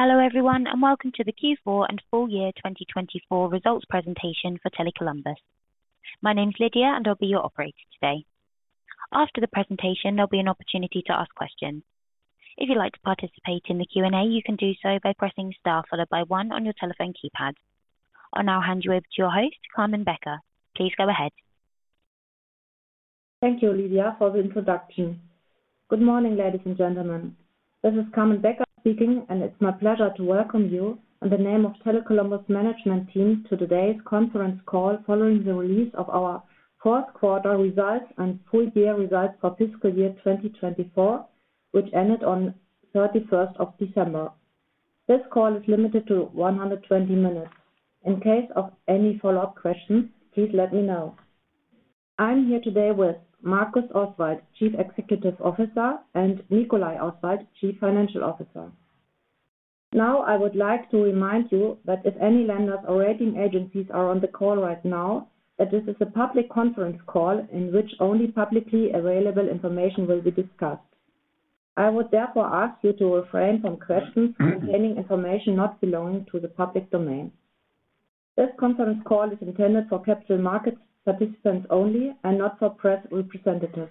Hello everyone, and welcome to the Q4 and Full Year 2024 Results presentation for Tele Columbus. My name's Lydia, and I'll be your operator today. After the presentation, there'll be an opportunity to ask questions. If you'd like to participate in the Q&A, you can do so by pressing star followed by one on your telephone keypad. I'll now hand you over to your host, Carmen Becker. Please go ahead. Thank you, Lydia, for the introduction. Good morning, ladies and gentlemen. This is Carmen Becker speaking, and it's my pleasure to welcome you on the name of Tele Columbus management team to today's conference call following the release of our fourth quarter results and full year results for fiscal year 2024, which ended on 31st of December. This call is limited to 120 minutes. In case of any follow-up questions, please let me know. I'm here today with Markus Oswald, Chief Executive Officer, and Nicolai Oswald, Chief Financial Officer. Now, I would like to remind you that if any lenders or rating agencies are on the call right now, that this is a public conference call in which only publicly available information will be discussed. I would therefore ask you to refrain from questions containing information not belonging to the public domain. This conference call is intended for capital markets participants only and not for press representatives.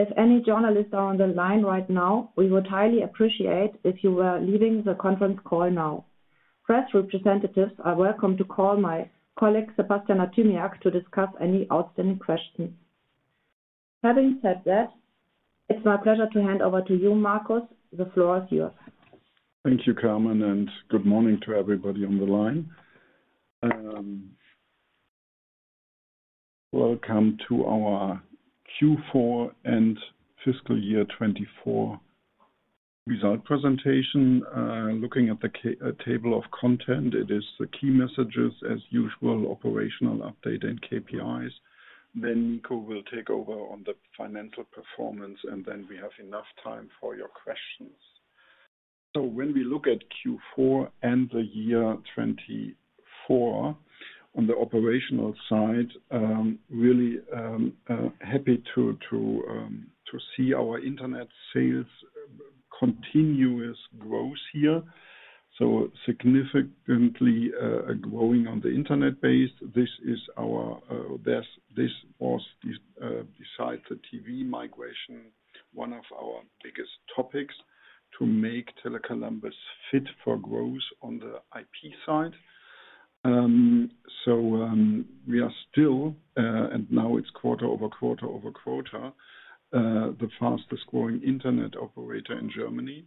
If any journalists are on the line right now, we would highly appreciate if you were leaving the conference call now. Press representatives are welcome to call my colleague Sebastian Artymiak to discuss any outstanding questions. Having said that, it's my pleasure to hand over to you, Markus. The floor is yours. Thank you, Carmen, and good morning to everybody on the line. Welcome to our Q4 and fiscal year 2024 result presentation. Looking at the table of content, it is the key messages, as usual, operational update and KPIs. Then Nico will take over on the financial performance, and then we have enough time for your questions. When we look at Q4 and the year 2024 on the operational side, really happy to see our internet sales continuous growth here. Significantly growing on the internet base. This is our—this was, besides the TV migration, one of our biggest topics to make Tele Columbus fit for growth on the IP side. We are still, and now it's quarter over quarter over quarter, the fastest growing internet operator in Germany.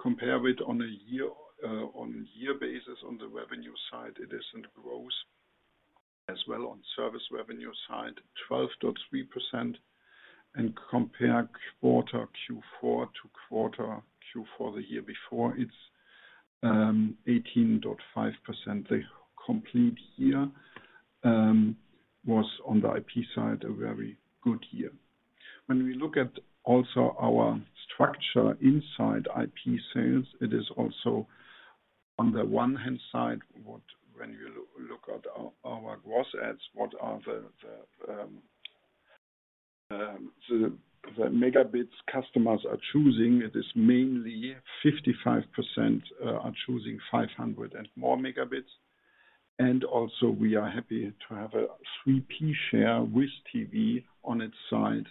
Compare it on a year-on-year basis on the revenue side, it is in growth as well on service revenue side, 12.3%. Compare quarter Q4 to quarter Q4 the year before, it's 18.5%. The complete year was on the IP side a very good year. When we look at also our structure inside IP sales, it is also on the one hand side, when you look at our gross ads, what are the megabits customers are choosing, it is mainly 55% are choosing 500 and more megabits. Also we are happy to have a 3P share with TV on its side,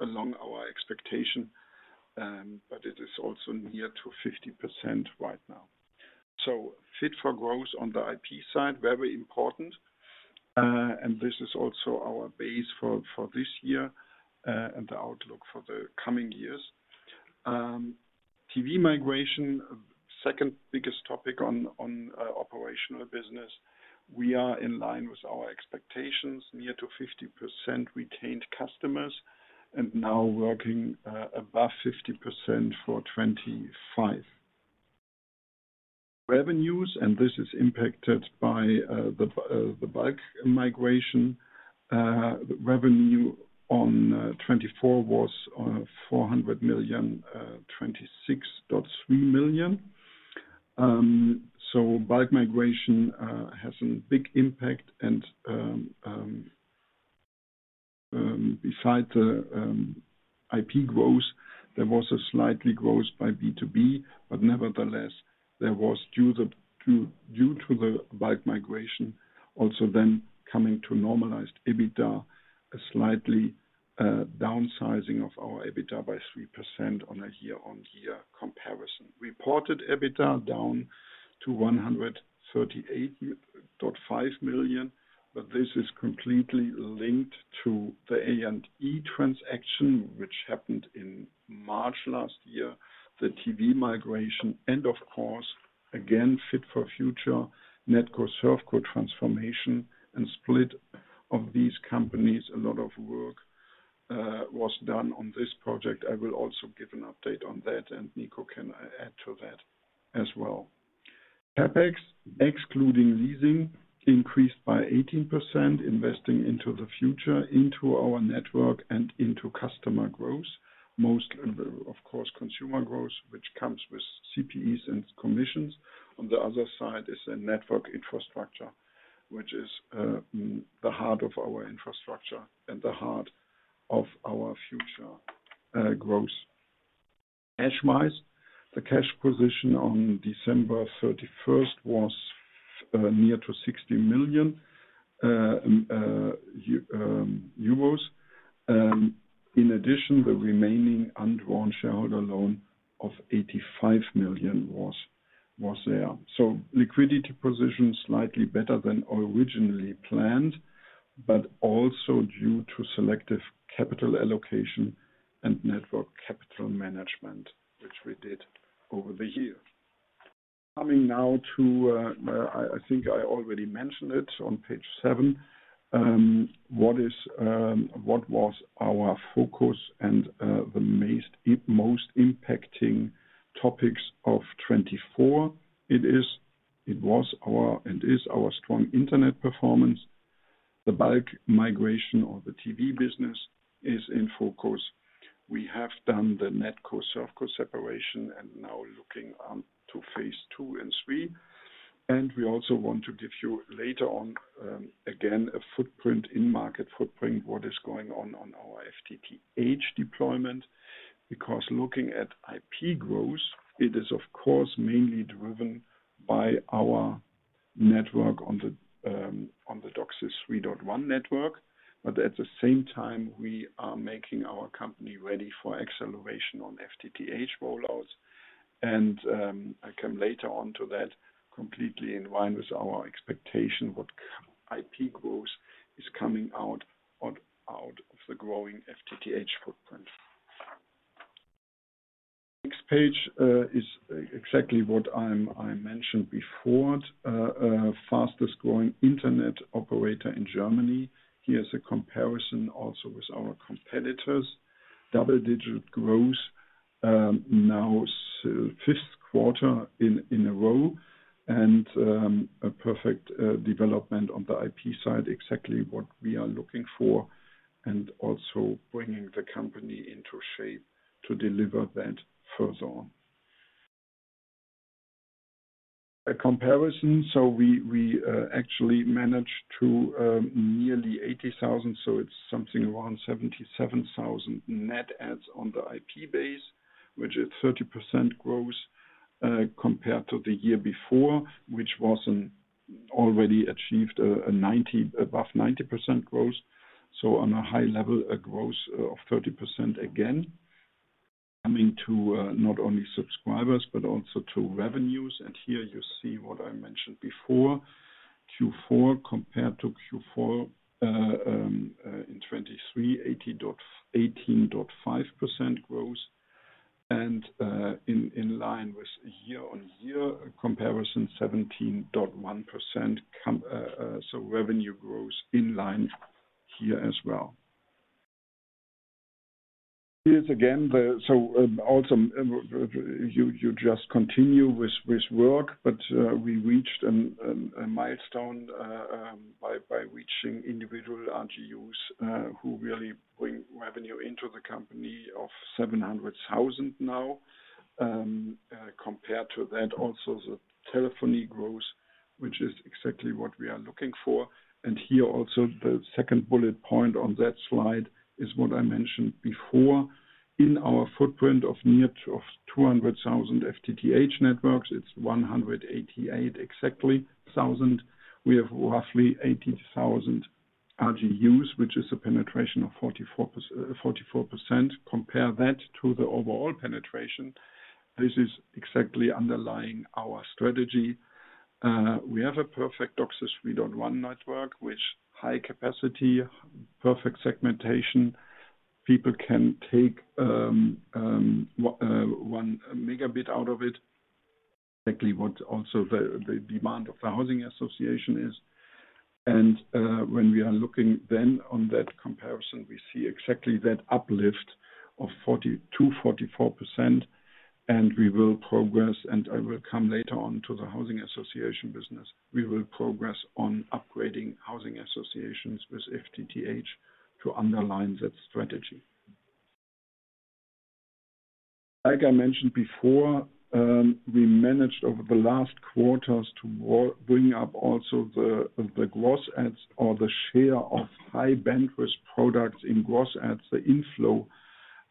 along our expectation, but it is also near to 50% right now. Fit for growth on the IP side, very important. This is also our base for this year and the outlook for the coming years. TV migration, second biggest topic on operational business, we are in line with our expectations, near to 50% retained customers, and now working above 50% for 2025. Revenues, and this is impacted by the bulk migration. Revenue on 2024 was EUR 426.3 million. Bulk migration has a big impact. Besides the IP growth, there was a slight growth by B2B, but nevertheless, there was due to the bulk migration also then coming to normalized EBITDA, a slight downsizing of our EBITDA by 3% on a year-on-year comparison. Reported EBITDA down to 138.5 million, but this is completely linked to the A&E transaction, which happened in March last year, the TV migration, and of course, again, fit for future NetCo/ServCo transformation and split of these companies, a lot of work was done on this project. I will also give an update on that, and Nico can add to that as well. CapEx, excluding leasing, increased by 18%, investing into the future, into our network, and into customer growth, mostly of course consumer growth, which comes with CPEs and commissions. On the other side is the network infrastructure, which is the heart of our infrastructure and the heart of our future growth. Cash-wise, the cash position on December 31 was near to EUR 60 million. In addition, the remaining undrawn shareholder loan of 85 million was there. Liquidity position slightly better than originally planned, but also due to selective capital allocation and network capital management, which we did over the year. Coming now to, I think I already mentioned it on page seven, what was our focus and the most impacting topics of 2024. It was our and is our strong internet performance. The bulk migration or the TV business is in focus. We have done the NetCo/ServCo separation and now looking to phase II and III. We also want to give you later on again a footprint in market footprint, what is going on our FTTH deployment, because looking at IP growth, it is of course mainly driven by our network on the DOCSIS 3.1 network, but at the same time, we are making our company ready for acceleration on FTTH rollouts. I come later on to that, completely in line with our expectation, what IP growth is coming out of the growing FTTH footprint. Next page is exactly what I mentioned before, fastest growing internet operator in Germany. Here is a comparison also with our competitors, double-digit growth now fifth quarter in a row and a perfect development on the IP side, exactly what we are looking for and also bringing the company into shape to deliver that further. A comparison, so we actually managed to nearly 80,000, so it's something around 77,000 net adds on the IP base, which is 30% growth compared to the year before, which was already achieved above 90% growth. On a high level, a growth of 30% again, coming to not only subscribers, but also to revenues. Here you see what I mentioned before, Q4 compared to Q4 in 2023, 18.5% growth. In line with year-on-year comparison, 17.1%, so revenue growth in line here as well. Here is again, so also you just continue with work, but we reached a milestone by reaching individual RGUs who really bring revenue into the company of 700,000 now. Compared to that, also the telephony growth, which is exactly what we are looking for. Here also the second bullet point on that slide is what I mentioned before. In our footprint of near to 200,000 FTTH networks, it's 188,000 exactly. We have roughly 80,000 RGUs, which is a penetration of 44%. Compare that to the overall penetration. This is exactly underlying our strategy. We have a perfect DOCSIS 3.1 network, which is high capacity, perfect segmentation. People can take 1 Mb out of it, exactly what also the demand of the housing association is. When we are looking then on that comparison, we see exactly that uplift of 244%. We will progress, and I will come later on to the housing association business. We will progress on upgrading housing associations with FTTH to underline that strategy. Like I mentioned before, we managed over the last quarters to bring up also the gross adds or the share of high bandwidth products in gross adds, the inflow,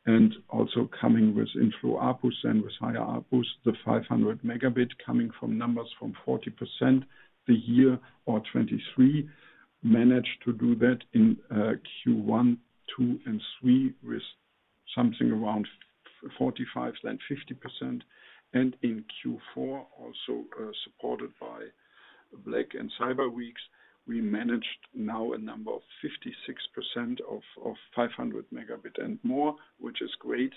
and also coming with inflow APRUs and with higher APRUs, the 500 Mb coming from numbers from 40% the year or 2023, managed to do that in Q1, Q2, and Q3 with something around 45%-50%. In Q4, also supported by Black and Cyber Weeks, we managed now a number of 56% of 500 Mb and more, which is great.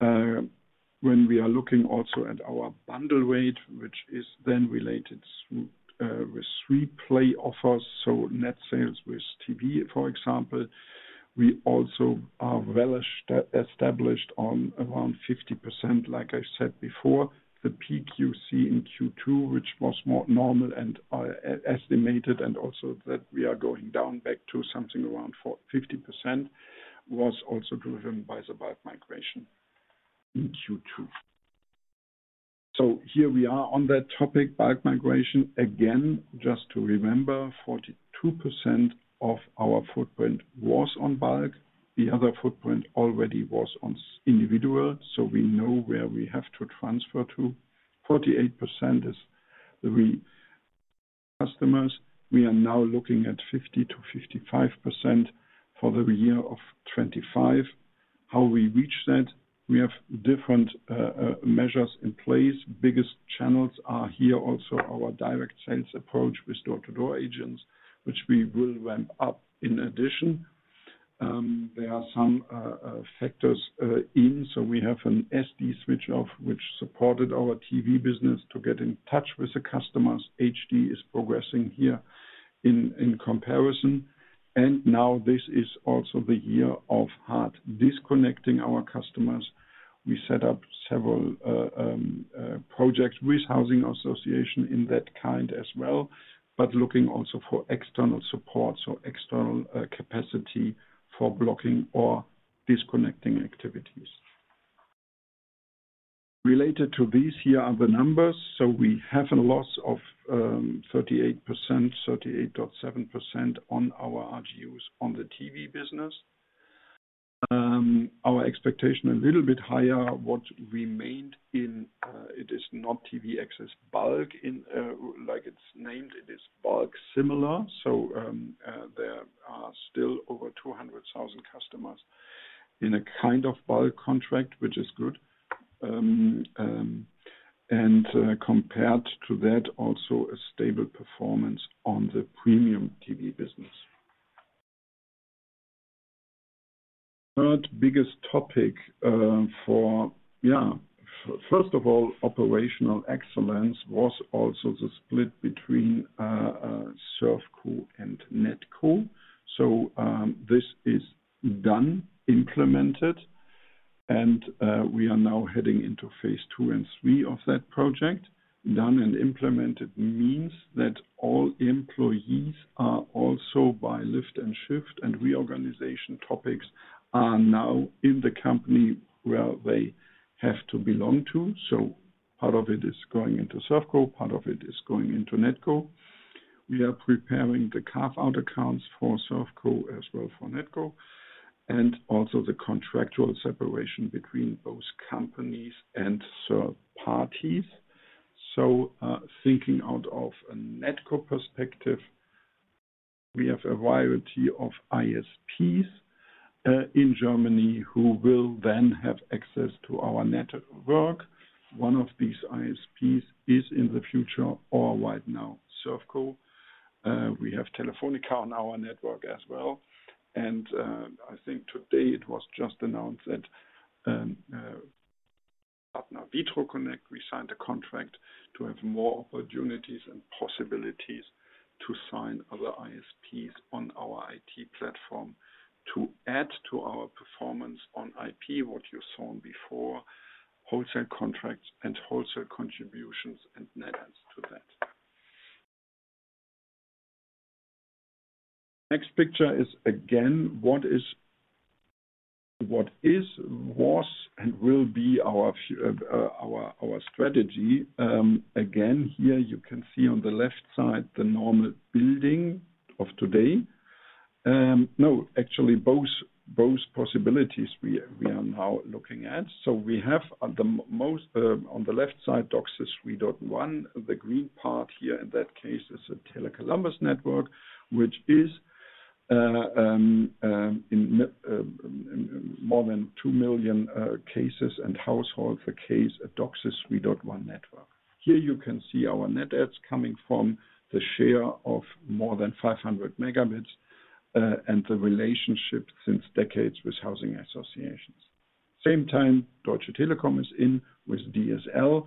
When we are looking also at our bundle rate, which is then related with 3-Play offers, so net sales with TV, for example, we also are well established on around 50%, like I said before. The peak you see in Q2, which was more normal and estimated, and also that we are going down back to something around 50%, was also driven by the bulk migration in Q2. Here we are on that topic, bulk migration. Again, just to remember, 42% of our footprint was on bulk. The other footprint already was on individual, so we know where we have to transfer to. 48% is the customers. We are now looking at 50%-55% for the year of 2025. How we reach that? We have different measures in place. Biggest channels are here also our direct sales approach with door-to-door agents, which we will ramp up in addition. There are some factors in, so we have an SD switch-off, which supported our TV business to get in touch with the customers. HD is progressing here in comparison. Now this is also the year of hard disconnecting our customers. We set up several projects with housing association in that kind as well, but looking also for external support, so external capacity for blocking or disconnecting activities. Related to these, here are the numbers. We have a loss of 38%, 38.7% on our RGUs on the TV business. Our expectation a little bit higher, what remained in it is not TV access bulk in like it's named, it is bulk similar. There are still over 200,000 customers in a kind of bulk contract, which is good. Compared to that, also a stable performance on the premium TV business. Third biggest topic for, yeah, first of all, operational excellence was also the split between ServCo and NetCo. This is done, implemented, and we are now heading into phase II and III of that project. Done and implemented means that all employees are also by lift-and-shift and reorganization topics are now in the company where they have to belong to. Part of it is going into ServCo, part of it is going into NetCo. We are preparing the carve-out accounts for ServCo as well for NetCo, and also the contractual separation between both companies and third parties. Thinking out of a NetCo perspective, we have a variety of ISPs in Germany who will then have access to our network. One of these ISPs is in the future or right now ServCo. We have Telefónica on our network as well. I think today it was just announced that partner Vitroconnect, we signed a contract to have more opportunities and possibilities to sign other ISPs on our IT platform to add to our performance on IP, what you saw before, wholesale contracts and wholesale contributions and net adds to that. Next picture is again, what is, was, and will be our strategy. Again, here you can see on the left side the normal building of today. No, actually both possibilities we are now looking at. We have on the left side DOCSIS 3.1, the green part here in that case is a Tele Columbus network, which is in more than 2 million cases and households a case at DOCSIS 3.1 network. Here you can see our net adds coming from the share of more than 500 Mb and the relationship since decades with housing associations. Same time, Deutsche Telekom is in with DSL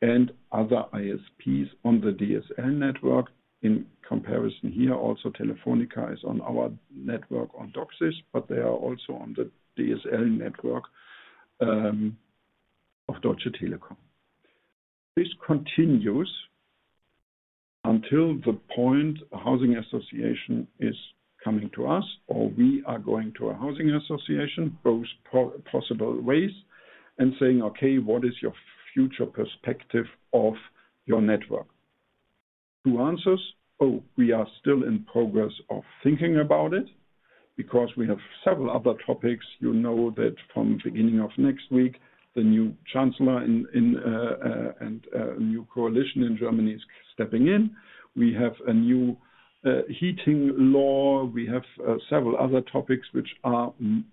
and other ISPs on the DSL network. In comparison here, also Telefónica is on our network on DOCSIS, but they are also on the DSL network of Deutsche Telekom. This continues until the point housing association is coming to us or we are going to a housing association, both possible ways, and saying, "Okay, what is your future perspective of your network?" Two answers, "Oh, we are still in progress of thinking about it because we have several other topics." You know that from beginning of next week, the new chancellor and a new coalition in Germany is stepping in. We have a new heating law. We have several other topics which are in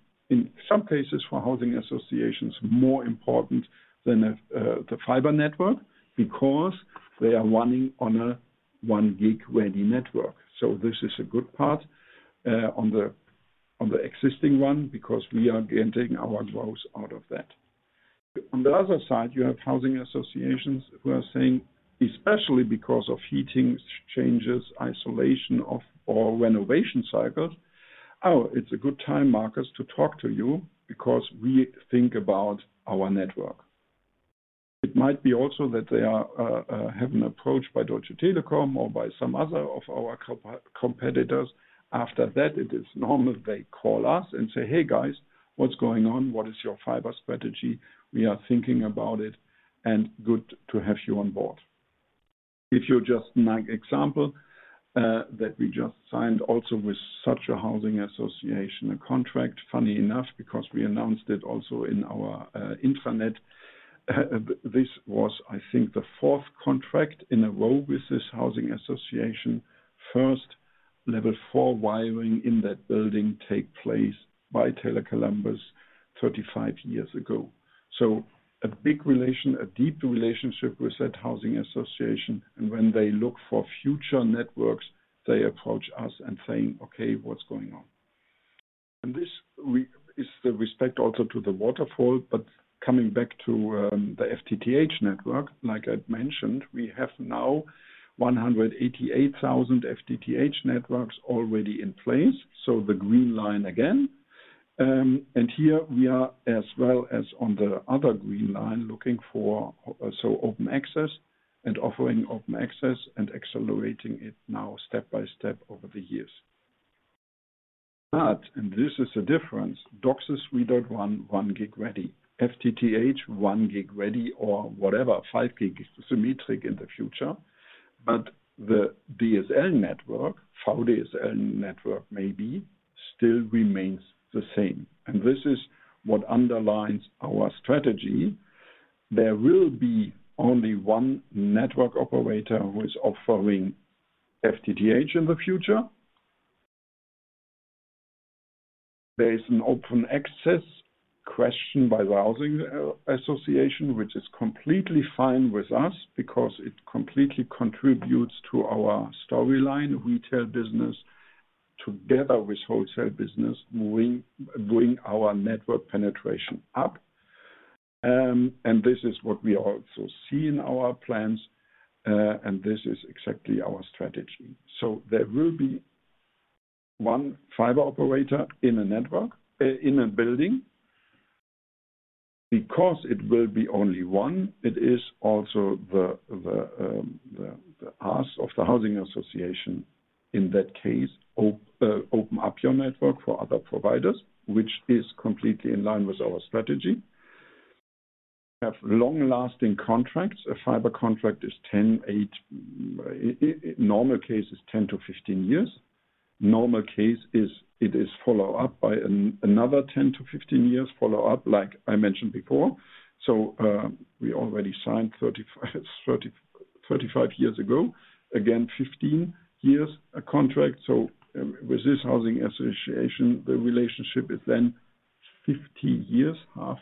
some cases for housing associations more important than the fiber network because they are running on a 1 Gb-ready network. This is a good part on the existing one because we are getting our growth out of that. On the other side, you have housing associations who are saying, especially because of heating changes, isolation of all renovation cycles, "Oh, it's a good time, Markus, to talk to you because we think about our network." It might be also that they have an approach by Deutsche Telekom or by some other of our competitors. After that, it is normal they call us and say, "Hey guys, what's going on? What is your fiber strategy? We are thinking about it and good to have you on board." If you're just an example that we just signed also with such a housing association a contract, funny enough, because we announced it also in our intranet. This was, I think, the fourth contract in a row with this housing association. First level four wiring in that building took place by Tele Columbus 35 years ago. A big relation, a deep relationship with that housing association. When they look for future networks, they approach us and say, "Okay, what's going on?" This is the respect also to the waterfall, but coming back to the FTTH network, like I mentioned, we have now 188,000 FTTH networks already in place. The green line again. Here we are, as well as on the other green line, looking for open access and offering open access and accelerating it now step by step over the years. This is a difference, DOCSIS 3.1, 1 Gb-ready, FTTH 1 Gb-ready or whatever, 5 Gb symmetric in the future, but the DSL network, VDSL network maybe, still remains the same. This is what underlines our strategy. There will be only one network operator who is offering FTTH in the future. There is an open access question by the housing association, which is completely fine with us because it completely contributes to our storyline retail business together with wholesale business, bring our network penetration up. This is what we also see in our plans. This is exactly our strategy. There will be one fiber operator in a building. Because it will be only one, it is also the ask of the housing association in that case, open up your network for other providers, which is completely in line with our strategy. We have long-lasting contracts. A fiber contract is 10, 8, normal case is 10-15 years. Normal case is it is followed up by another 10-15 years follow-up, like I mentioned before. We already signed 35 years ago. Again, 15 years a contract. With this housing association, the relationship is then 50 years, half.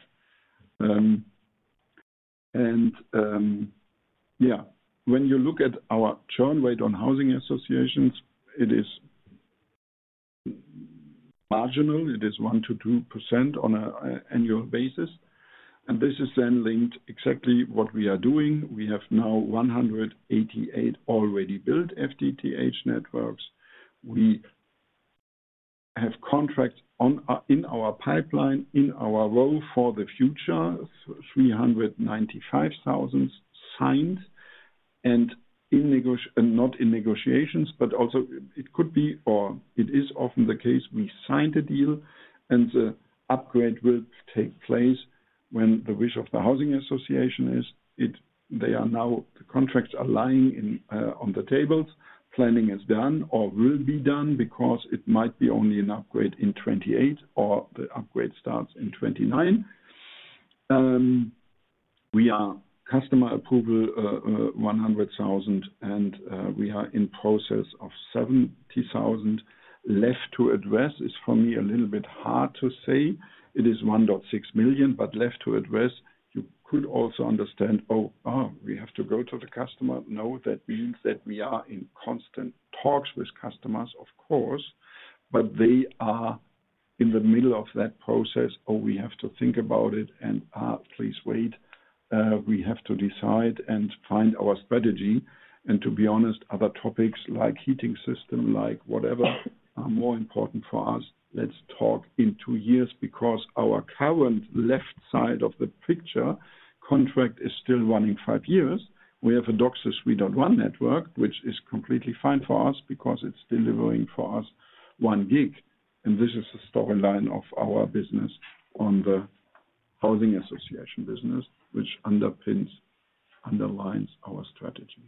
Yeah, when you look at our churn rate on housing associations, it is marginal. It is 1%-2% on an annual basis. This is then linked exactly to what we are doing. We have now 188,000 already built FTTH networks. We have contracts in our pipeline, in our role for the future, 395,000 signed and not in negotiations, but also it could be or it is often the case we signed a deal and the upgrade will take place when the wish of the housing association is. Now the contracts are lying on the tables. Planning is done or will be done because it might be only an upgrade in 2028 or the upgrade starts in 2029. We are customer approval 100,000 and we are in process of 70,000 left to address is for me a little bit hard to say. It is 1.6 million, but left to address, you could also understand, "Oh, we have to go to the customer." No, that means that we are in constant talks with customers, of course, but they are in the middle of that process. "Oh, we have to think about it and please wait. We have to decide and find our strategy." To be honest, other topics like heating system, like whatever, are more important for us. Let's talk in two years because our current left side of the picture contract is still running five years. We have a DOCSIS 3.1 network, which is completely fine for us because it's delivering for us 1 Gb. This is the storyline of our business on the housing association business, which underpins, underlines our strategy.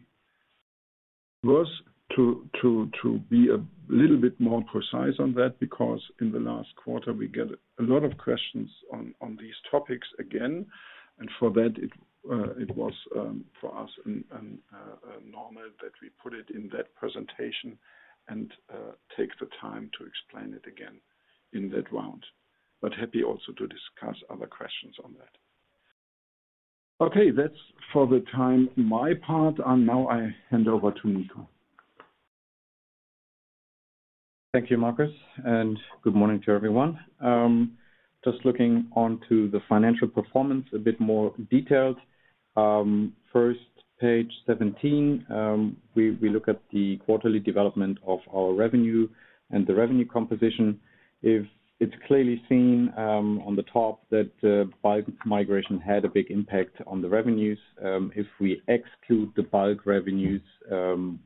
It was to be a little bit more precise on that because in the last quarter, we get a lot of questions on these topics again. For that, it was for us normal that we put it in that presentation and take the time to explain it again in that round. Happy also to discuss other questions on that. Okay, that's for the time my part. Now I hand over to Nico. Thank you, Markus. Good morning to everyone. Just looking onto the financial performance, a bit more detailed. First, page 17, we look at the quarterly development of our revenue and the revenue composition. It's clearly seen on the top that bulk migration had a big impact on the revenues. If we exclude the bulk revenues,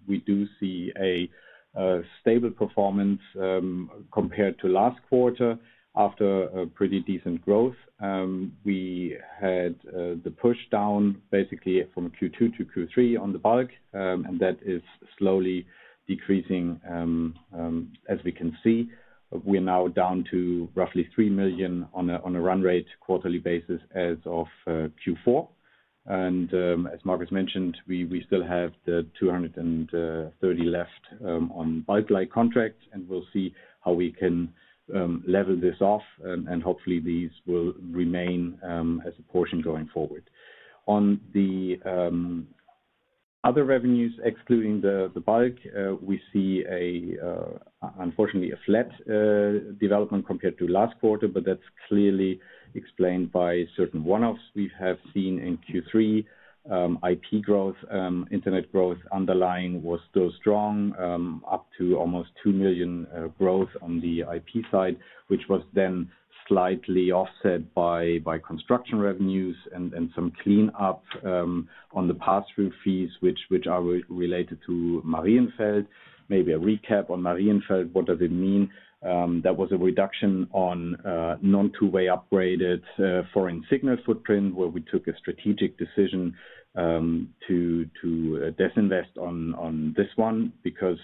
we do see a stable performance compared to last quarter after a pretty decent growth. We had the push down basically from Q2 to Q3 on the bulk, and that is slowly decreasing as we can see. We are now down to roughly 3 million on a run rate quarterly basis as of Q4. As Markus mentioned, we still have the 230 left on bulk light contracts, and we will see how we can level this off. Hopefully, these will remain as a portion going forward. On the other revenues, excluding the bulk, we see unfortunately a flat development compared to last quarter, but that is clearly explained by certain one-offs we have seen in Q3. IP growth, internet growth underlying was still strong, up to almost 2 million growth on the IP side, which was then slightly offset by construction revenues and some cleanup on the pass-through fees, which are related to Marienfeld. Maybe a recap on Marienfeld, what does it mean? That was a reduction on non-two-way-upgraded foreign signal footprint, where we took a strategic decision to disinvest on this one because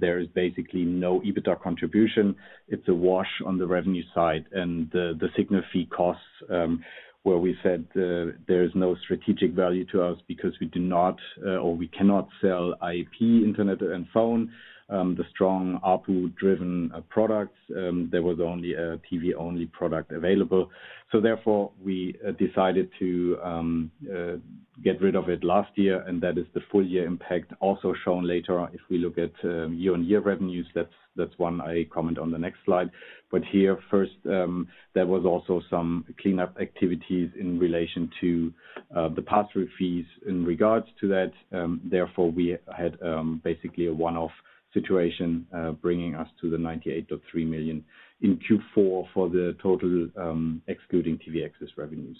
there is basically no EBITDA contribution. It is a wash on the revenue side. And the signal fee costs, where we said there is no strategic value to us because we do not or we cannot sell IP, internet, and phone, the strong ARPU-driven products. There was only a TV-only product available. Therefore, we decided to get rid of it last year, and that is the full year impact also shown later. If we look at year-on-year revenues, that's one I comment on the next slide. Here, first, there was also some cleanup activities in relation to the pass-through fees in regards to that. Therefore, we had basically a one-off situation bringing us to 98.3 million in Q4 for the total excluding TV access revenues.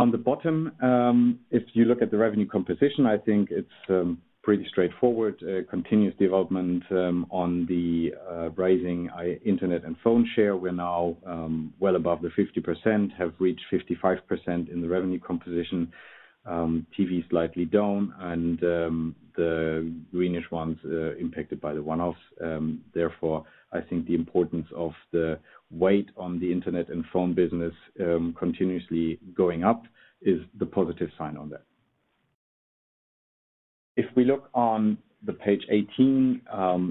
On the bottom, if you look at the revenue composition, I think it's pretty straightforward. Continuous development on the rising internet and phone share. We're now well above the 50%, have reached 55% in the revenue composition. TV is slightly down, and the greenish ones impacted by the one-offs. Therefore, I think the importance of the weight on the internet and phone business continuously going up is the positive sign on that. If we look on the page 18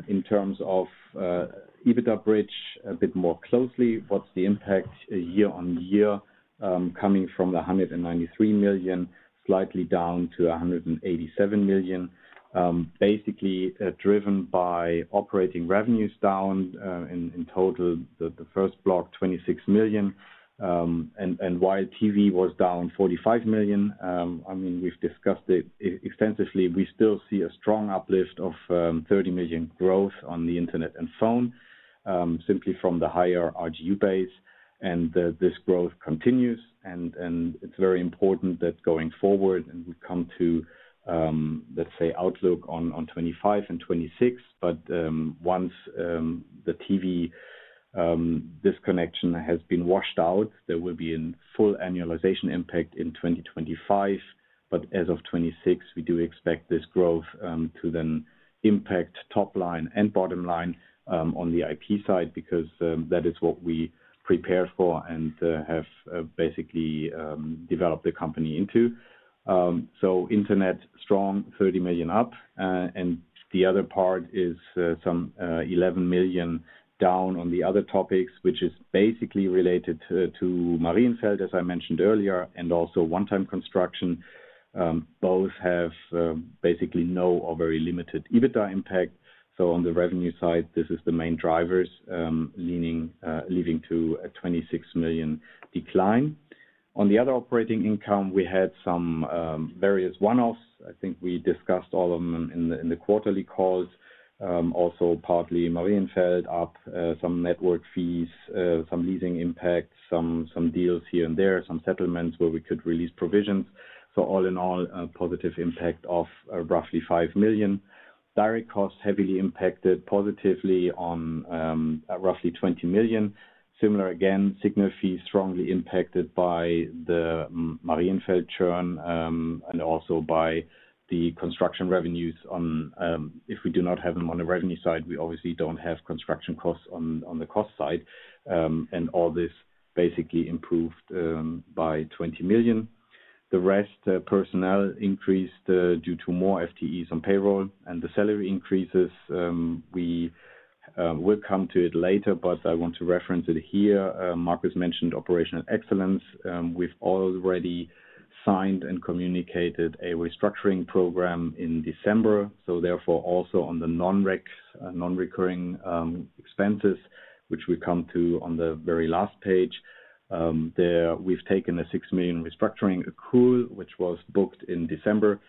in terms of EBITDA bridge a bit more closely, what's the impact year-on-year coming from the 193 million, slightly down to 187 million, basically driven by operating revenues down in total, the first block, 26 million. While TV was down 45 million, I mean, we've discussed it extensively. We still see a strong uplift of 30 million growth on the internet and phone simply from the higher RGU base. This growth continues. It's very important that going forward, and we come to, let's say, outlook on 2025 and 2026. Once the TV disconnection has been washed out, there will be a full annualization impact in 2025. As of 2026, we do expect this growth to then impact top line and bottom line on the IP side because that is what we prepared for and have basically developed the company into. Internet is strong, 30 million up. The other part is some 11 million down on the other topics, which is basically related to Marienfeld, as I mentioned earlier, and also one-time construction. Both have basically no or very limited EBITDA impact. On the revenue side, this is the main drivers leading to a 26 million decline. On the other operating income, we had some various one-offs. I think we discussed all of them in the quarterly calls. Also partly Marienfeld up, some network fees, some leasing impacts, some deals here and there, some settlements where we could release provisions. All in all, positive impact of roughly 5 million. Direct costs heavily impacted positively on roughly 20 million. Similar again, signal fees strongly impacted by the Marienfeld churn and also by the construction revenues on if we do not have them on the revenue side, we obviously do not have construction costs on the cost side. All this basically improved by 20 million. The rest personnel increased due to more FTEs on payroll and the salary increases. We will come to it later, but I want to reference it here. Markus mentioned operational excellence. We have already signed and communicated a restructuring program in December. Therefore, also on the non-recurring expenses, which we come to on the very last page, we have taken a 6 million restructuring accrual, which was booked in December.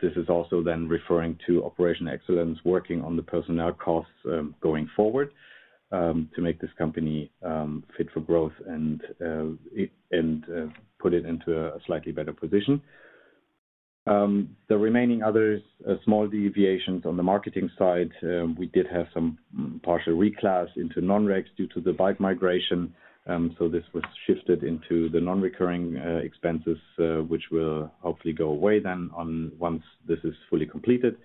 This is also then referring to operational excellence working on the personnel costs going forward to make this company fit for growth and put it into a slightly better position. The remaining others, small deviations on the marketing side, we did have some partial reclass into non-recs due to the bulk migration. This was shifted into the non-recurring expenses, which will hopefully go away then once this is fully completed.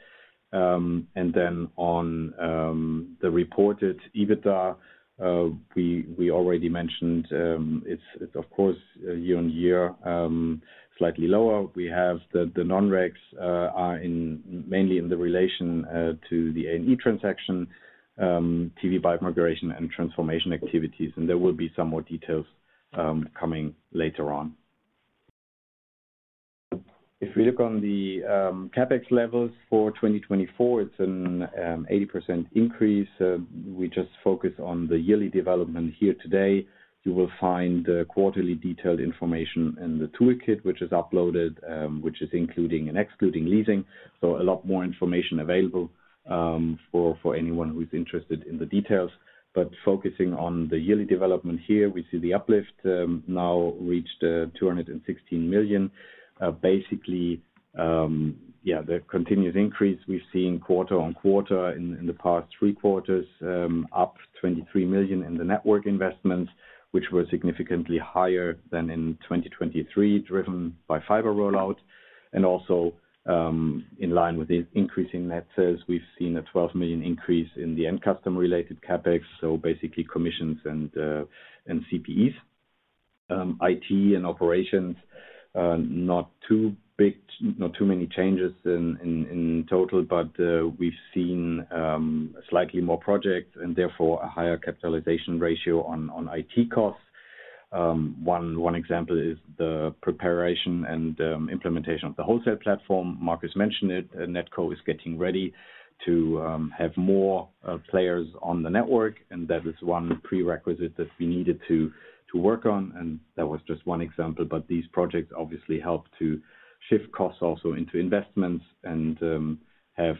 On the reported EBITDA, we already mentioned it's, of course, year-on-year slightly lower. We have the non-recs mainly in relation to the A&E transaction, TV bulk migration, and transformation activities. There will be some more details coming later on. If we look on the CapEx levels for 2024, it's an 18% increase. We just focus on the yearly development here today. You will find quarterly detailed information in the toolkit, which is uploaded, which is including and excluding leasing. A lot more information is available for anyone who's interested in the details. Focusing on the yearly development here, we see the uplift now reached 216 million. Basically, the continuous increase we've seen quarter on quarter in the past three quarters, up 23 million in the network investments, which were significantly higher than in 2023 driven by fiber rollout. Also in line with the increasing net sales, we've seen a 12 million increase in the end customer-related CapEx. Basically commissions and CPEs. IT and operations, not too many changes in total, but we've seen slightly more projects and therefore a higher capitalization ratio on IT costs. One example is the preparation and implementation of the wholesale platform. Markus mentioned it. NetCo is getting ready to have more players on the network. That is one prerequisite that we needed to work on. That was just one example. These projects obviously help to shift costs also into investments and have,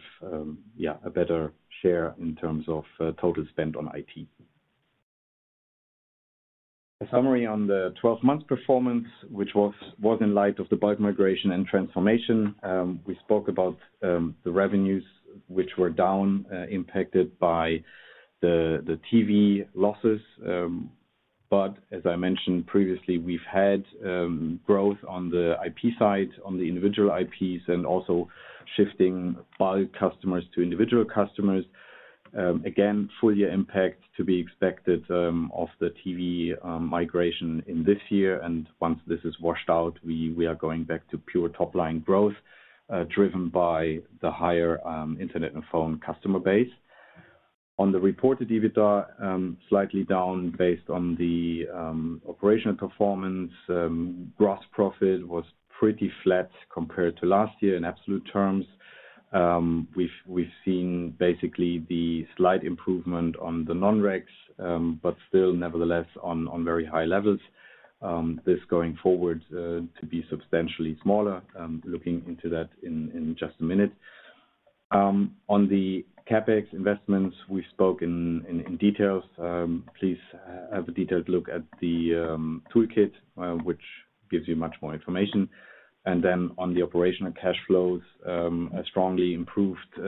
yeah, a better share in terms of total spend on IT. A summary on the 12-month performance, which was in light of the bulk migration and transformation. We spoke about the revenues, which were down, impacted by the TV losses. As I mentioned previously, we've had growth on the IP side, on the individual IPs, and also shifting bulk customers to individual customers. Again, full year impact to be expected of the TV migration in this year. Once this is washed out, we are going back to pure top-line growth driven by the higher internet and phone customer base. On the reported EBITDA, slightly down based on the operational performance, gross profit was pretty flat compared to last year in absolute terms. We've seen basically the slight improvement on the non-recs, but still, nevertheless, on very high levels. This going forward to be substantially smaller. Looking into that in just a minute. On the CapEx investments, we've spoke in details. Please have a detailed look at the toolkit, which gives you much more information. On the operational cash flows, a strongly improved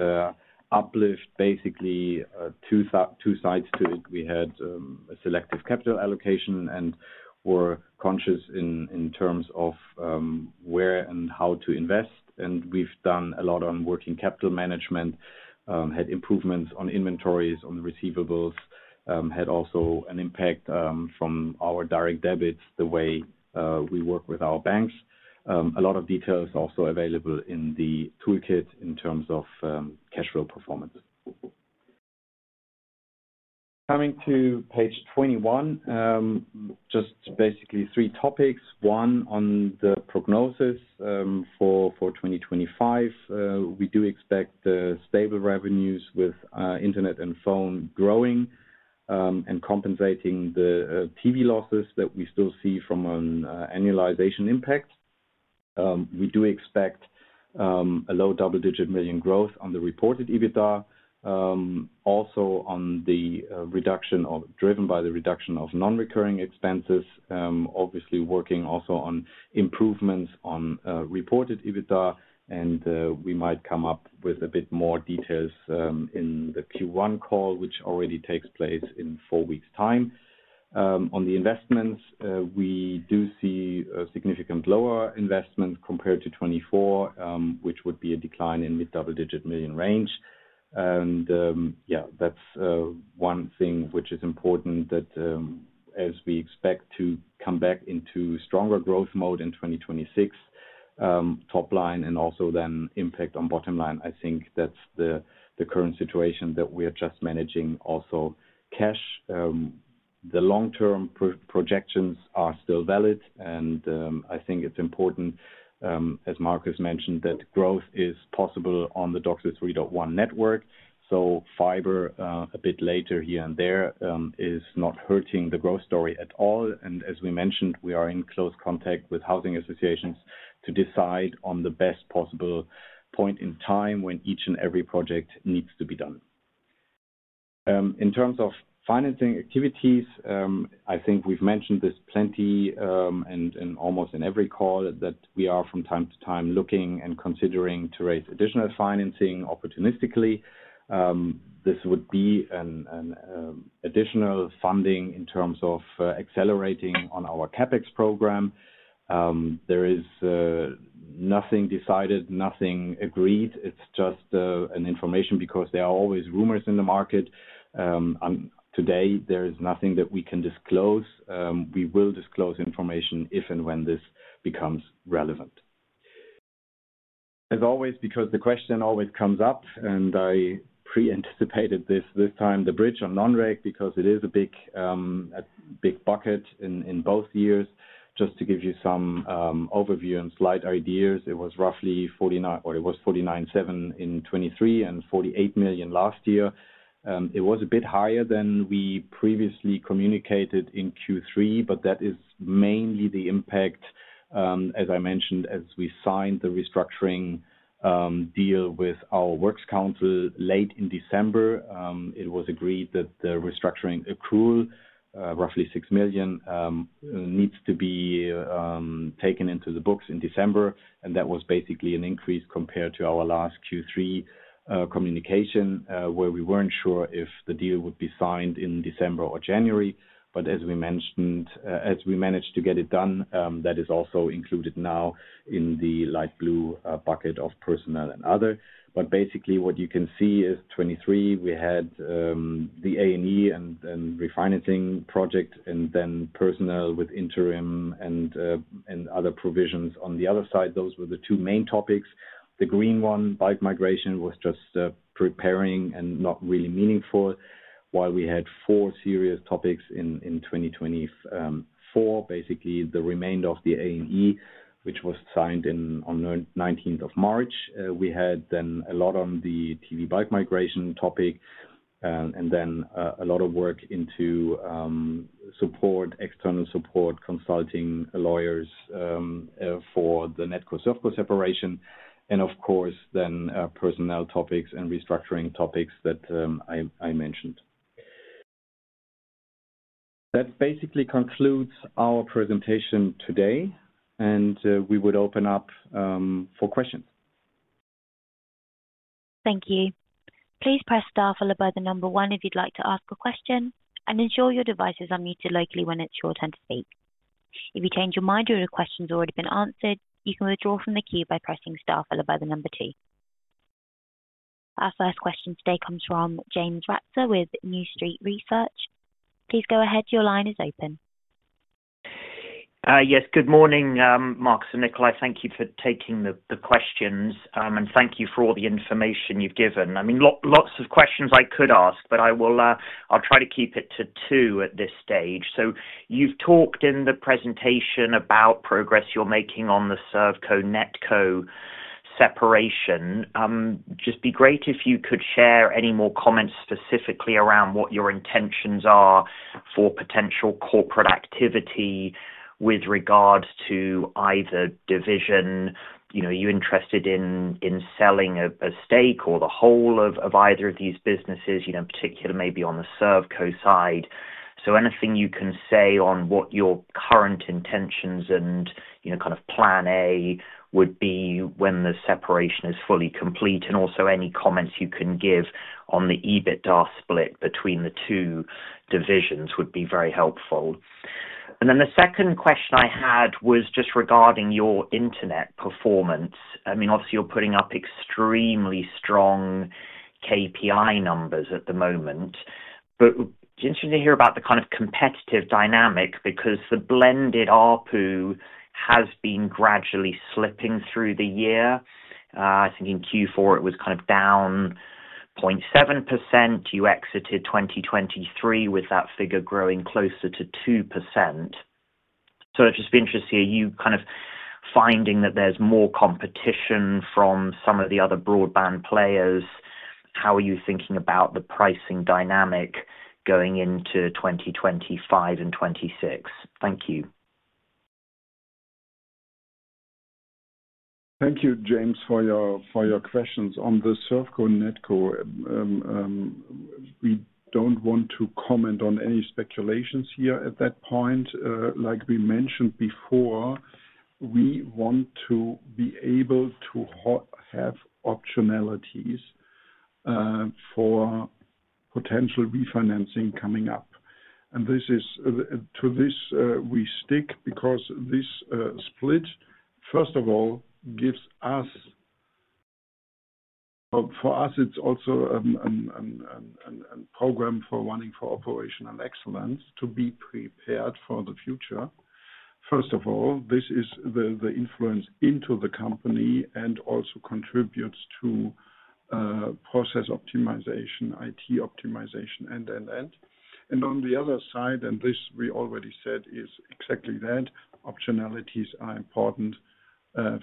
uplift, basically two sides to it. We had a selective capital allocation and were conscious in terms of where and how to invest. We've done a lot on working capital management, had improvements on inventories, on receivables, had also an impact from our direct debits the way we work with our banks. A lot of details also available in the toolkit in terms of cash flow performance. Coming to page 21, just basically three topics. One on the prognosis for 2025. We do expect stable revenues with internet and phone growing and compensating the TV losses that we still see from an annualization impact. We do expect a low double-digit million growth on the reported EBITDA. Also on the reduction or driven by the reduction of non-recurring expenses, obviously working also on improvements on reported EBITDA. We might come up with a bit more details in the Q1 call, which already takes place in four weeks' time. On the investments, we do see a significant lower investment compared to 2024, which would be a decline in mid-double-digit million range. Yeah, that's one thing which is important that as we expect to come back into stronger growth mode in 2026, top line and also then impact on bottom line. I think that's the current situation that we are just managing also cash. The long-term projections are still valid. I think it's important, as Markus mentioned, that growth is possible on the DOCSIS 3.1 network. So fiber a bit later here and there is not hurting the growth story at all. As we mentioned, we are in close contact with housing associations to decide on the best possible point in time when each and every project needs to be done. In terms of financing activities, I think we've mentioned this plenty and almost in every call that we are from time to time looking and considering to raise additional financing opportunistically. This would be an additional funding in terms of accelerating on our CapEx program. There is nothing decided, nothing agreed. It's just an information because there are always rumors in the market. Today, there is nothing that we can disclose. We will disclose information if and when this becomes relevant. As always, because the question always comes up and I pre-anticipated this time, the bridge on non-rec because it is a big bucket in both years. Just to give you some overview and slight ideas, it was roughly 49 million or it was 49.7 million in 2023 and 48 million last year. It was a bit higher than we previously communicated in Q3, but that is mainly the impact. As I mentioned, as we signed the restructuring deal with our works council late in December, it was agreed that the restructuring accrual, roughly 6 million, needs to be taken into the books in December. That was basically an increase compared to our last Q3 communication where we were not sure if the deal would be signed in December or January. As we managed to get it done, that is also included now in the light blue bucket of personnel and other. Basically, what you can see is 2023, we had the A&E and refinancing project and then personnel with interim and other provisions. On the other side, those were the two main topics. The green one, bulk migration, was just preparing and not really meaningful while we had four serious topics in 2024. Basically, the remainder of the A&E, which was signed on 19th of March. We had then a lot on the TV bulk migration topic and then a lot of work into support, external support, consulting lawyers for the NetCo/ServCo separation. Of course, then personnel topics and restructuring topics that I mentioned. That basically concludes our presentation today. We would open up for questions. Thank you. Please press star followed by the number one if you'd like to ask a question. Ensure your device is unmuted locally when it's your turn to speak. If you change your mind or your question's already been answered, you can withdraw from the queue by pressing star followed by the number two. Our first question today comes from James Ratzer with New Street Research. Please go ahead. Your line is open. Yes, good morning, Markus and Nicolai. Thank you for taking the questions. Thank you for all the information you've given. I mean, lots of questions I could ask, but I'll try to keep it to two at this stage. You have talked in the presentation about progress you're making on the ServCo/NetCo separation. It would be great if you could share any more comments specifically around what your intentions are for potential corporate activity with regards to either division. Are you interested in selling a stake or the whole of either of these businesses, particularly maybe on the ServCo side? Anything you can say on what your current intentions and kind of plan A would be when the separation is fully complete. Also any comments you can give on the EBITDA split between the two divisions would be very helpful. The second question I had was just regarding your internet performance. I mean, obviously, you're putting up extremely strong KPI numbers at the moment. Interesting to hear about the kind of competitive dynamic because the blended ARPU has been gradually slipping through the year. I think in Q4, it was kind of down 0.7%. You exited 2023 with that figure growing closer to 2%. It would just be interesting to hear you kind of finding that there's more competition from some of the other broadband players. How are you thinking about the pricing dynamic going into 2025 and 2026? Thank you. Thank you, James, for your questions. On the ServCo/NetCo, we do not want to comment on any speculations here at that point. Like we mentioned before, we want to be able to have optionalities for potential refinancing coming up. To this, we stick because this split, first of all, gives us, for us, it is also a program for running for operational excellence to be prepared for the future. First of all, this is the influence into the company and also contributes to process optimization, IT optimization, and, and, and. On the other side, this we already said is exactly that optionalities are important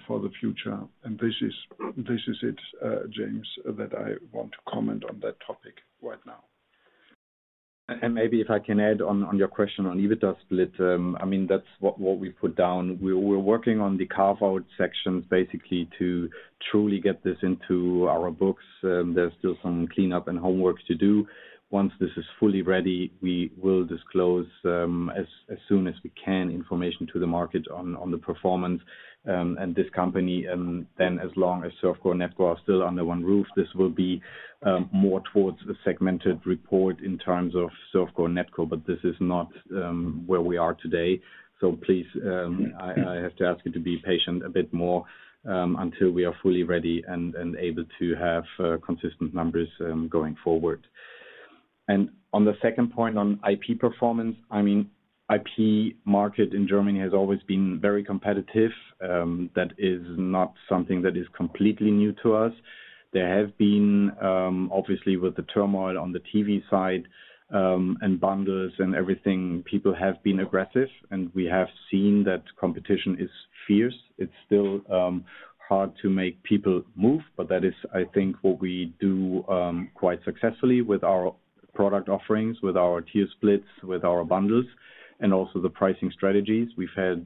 for the future. This is it, James, that I want to comment on that topic right now. Maybe if I can add on your question on EBITDA split, I mean, that's what we've put down. We're working on the carve-out sections basically to truly get this into our books. There's still some cleanup and homework to do. Once this is fully ready, we will disclose as soon as we can information to the market on the performance. This company, then as long as ServCo and NetCo are still under one roof, this will be more towards a segmented report in terms of ServCo and NetCo, but this is not where we are today. Please, I have to ask you to be patient a bit more until we are fully ready and able to have consistent numbers going forward. On the second point on IP performance, I mean, IP market in Germany has always been very competitive. That is not something that is completely new to us. There have been, obviously, with the turmoil on the TV side and bundles and everything, people have been aggressive. We have seen that competition is fierce. It is still hard to make people move, but that is, I think, what we do quite successfully with our product offerings, with our tier splits, with our bundles, and also the pricing strategies. We have had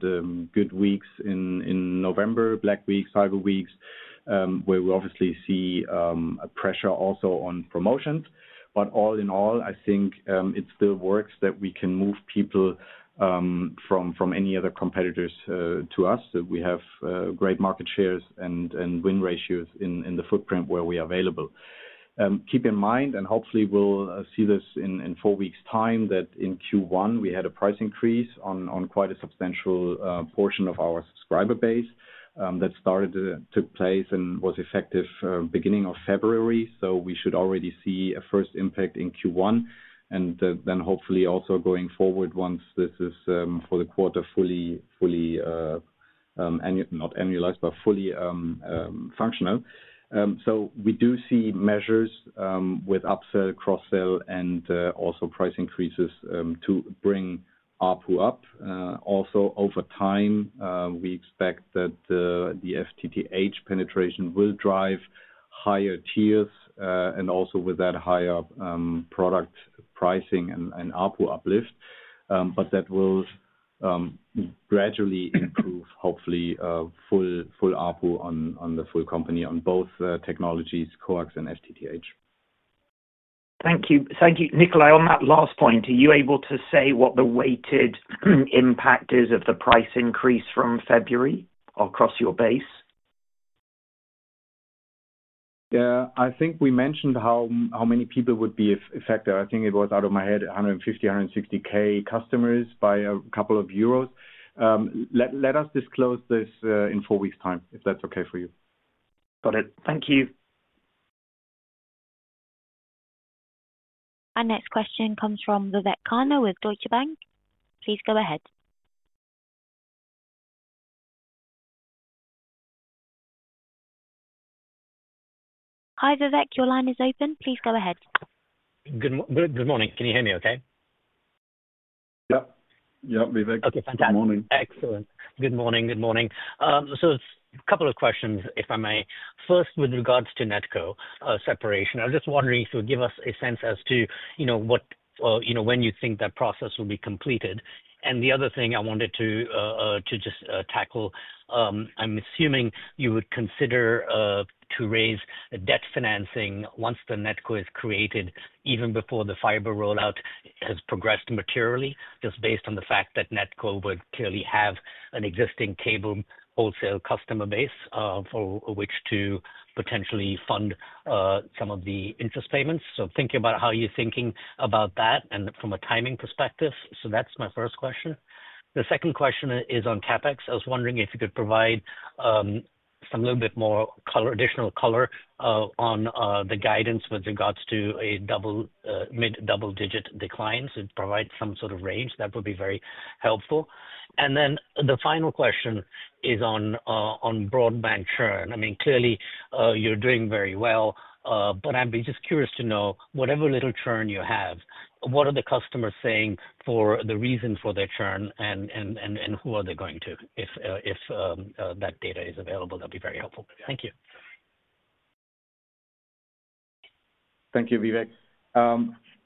good weeks in November, Black Weeks, Cyber Weeks, where we obviously see pressure also on promotions. All in all, I think it still works that we can move people from any other competitors to us. We have great market shares and win ratios in the footprint where we are available. Keep in mind, and hopefully we'll see this in four weeks' time, that in Q1, we had a price increase on quite a substantial portion of our subscriber base that took place and was effective beginning of February. We should already see a first impact in Q1 and then hopefully also going forward once this is for the quarter fully, not annualized, but fully functional. We do see measures with upsell, cross-sell, and also price increases to bring ARPU up. Also over time, we expect that the FTTH penetration will drive higher tiers and also with that higher product pricing and ARPU uplift. That will gradually improve, hopefully, full ARPU on the full company on both technologies, cores and FTTH. Thank you. Thank you. Nicolai, on that last point, are you able to say what the weighted impact is of the price increase from February across your base? Yeah. I think we mentioned how many people would be affected. I think it was, out of my head, 150,000-160,000 customers by a couple of euros. Let us disclose this in four weeks' time if that's okay for you. Got it. Thank you. Our next question comes from Vivek Khanna with Deutsche Bank. Please go ahead. Hi, Vivek, your line is open. Please go ahead. Good morning. Can you hear me okay? Yeah. Yeah, Vivek. Okay, fantastic. Excellent. Good morning. Good morning. A couple of questions, if I may. First, with regards to NetCo separation, I was just wondering if you would give us a sense as to when you think that process will be completed. The other thing I wanted to just tackle, I'm assuming you would consider to raise debt financing once the NetCo is created, even before the fiber rollout has progressed materially, just based on the fact that NetCo would clearly have an existing cable wholesale customer base for which to potentially fund some of the interest payments. Thinking about how you're thinking about that and from a timing perspective. That's my first question. The second question is on CapEx. I was wondering if you could provide some little bit more additional color on the guidance with regards to a mid-double-digit decline. Provide some sort of range. That would be very helpful. The final question is on broadband churn. I mean, clearly, you're doing very well, but I'd be just curious to know, whatever little churn you have, what are the customers saying for the reason for their churn and who are they going to? If that data is available, that'd be very helpful. Thank you. Thank you, Vivek.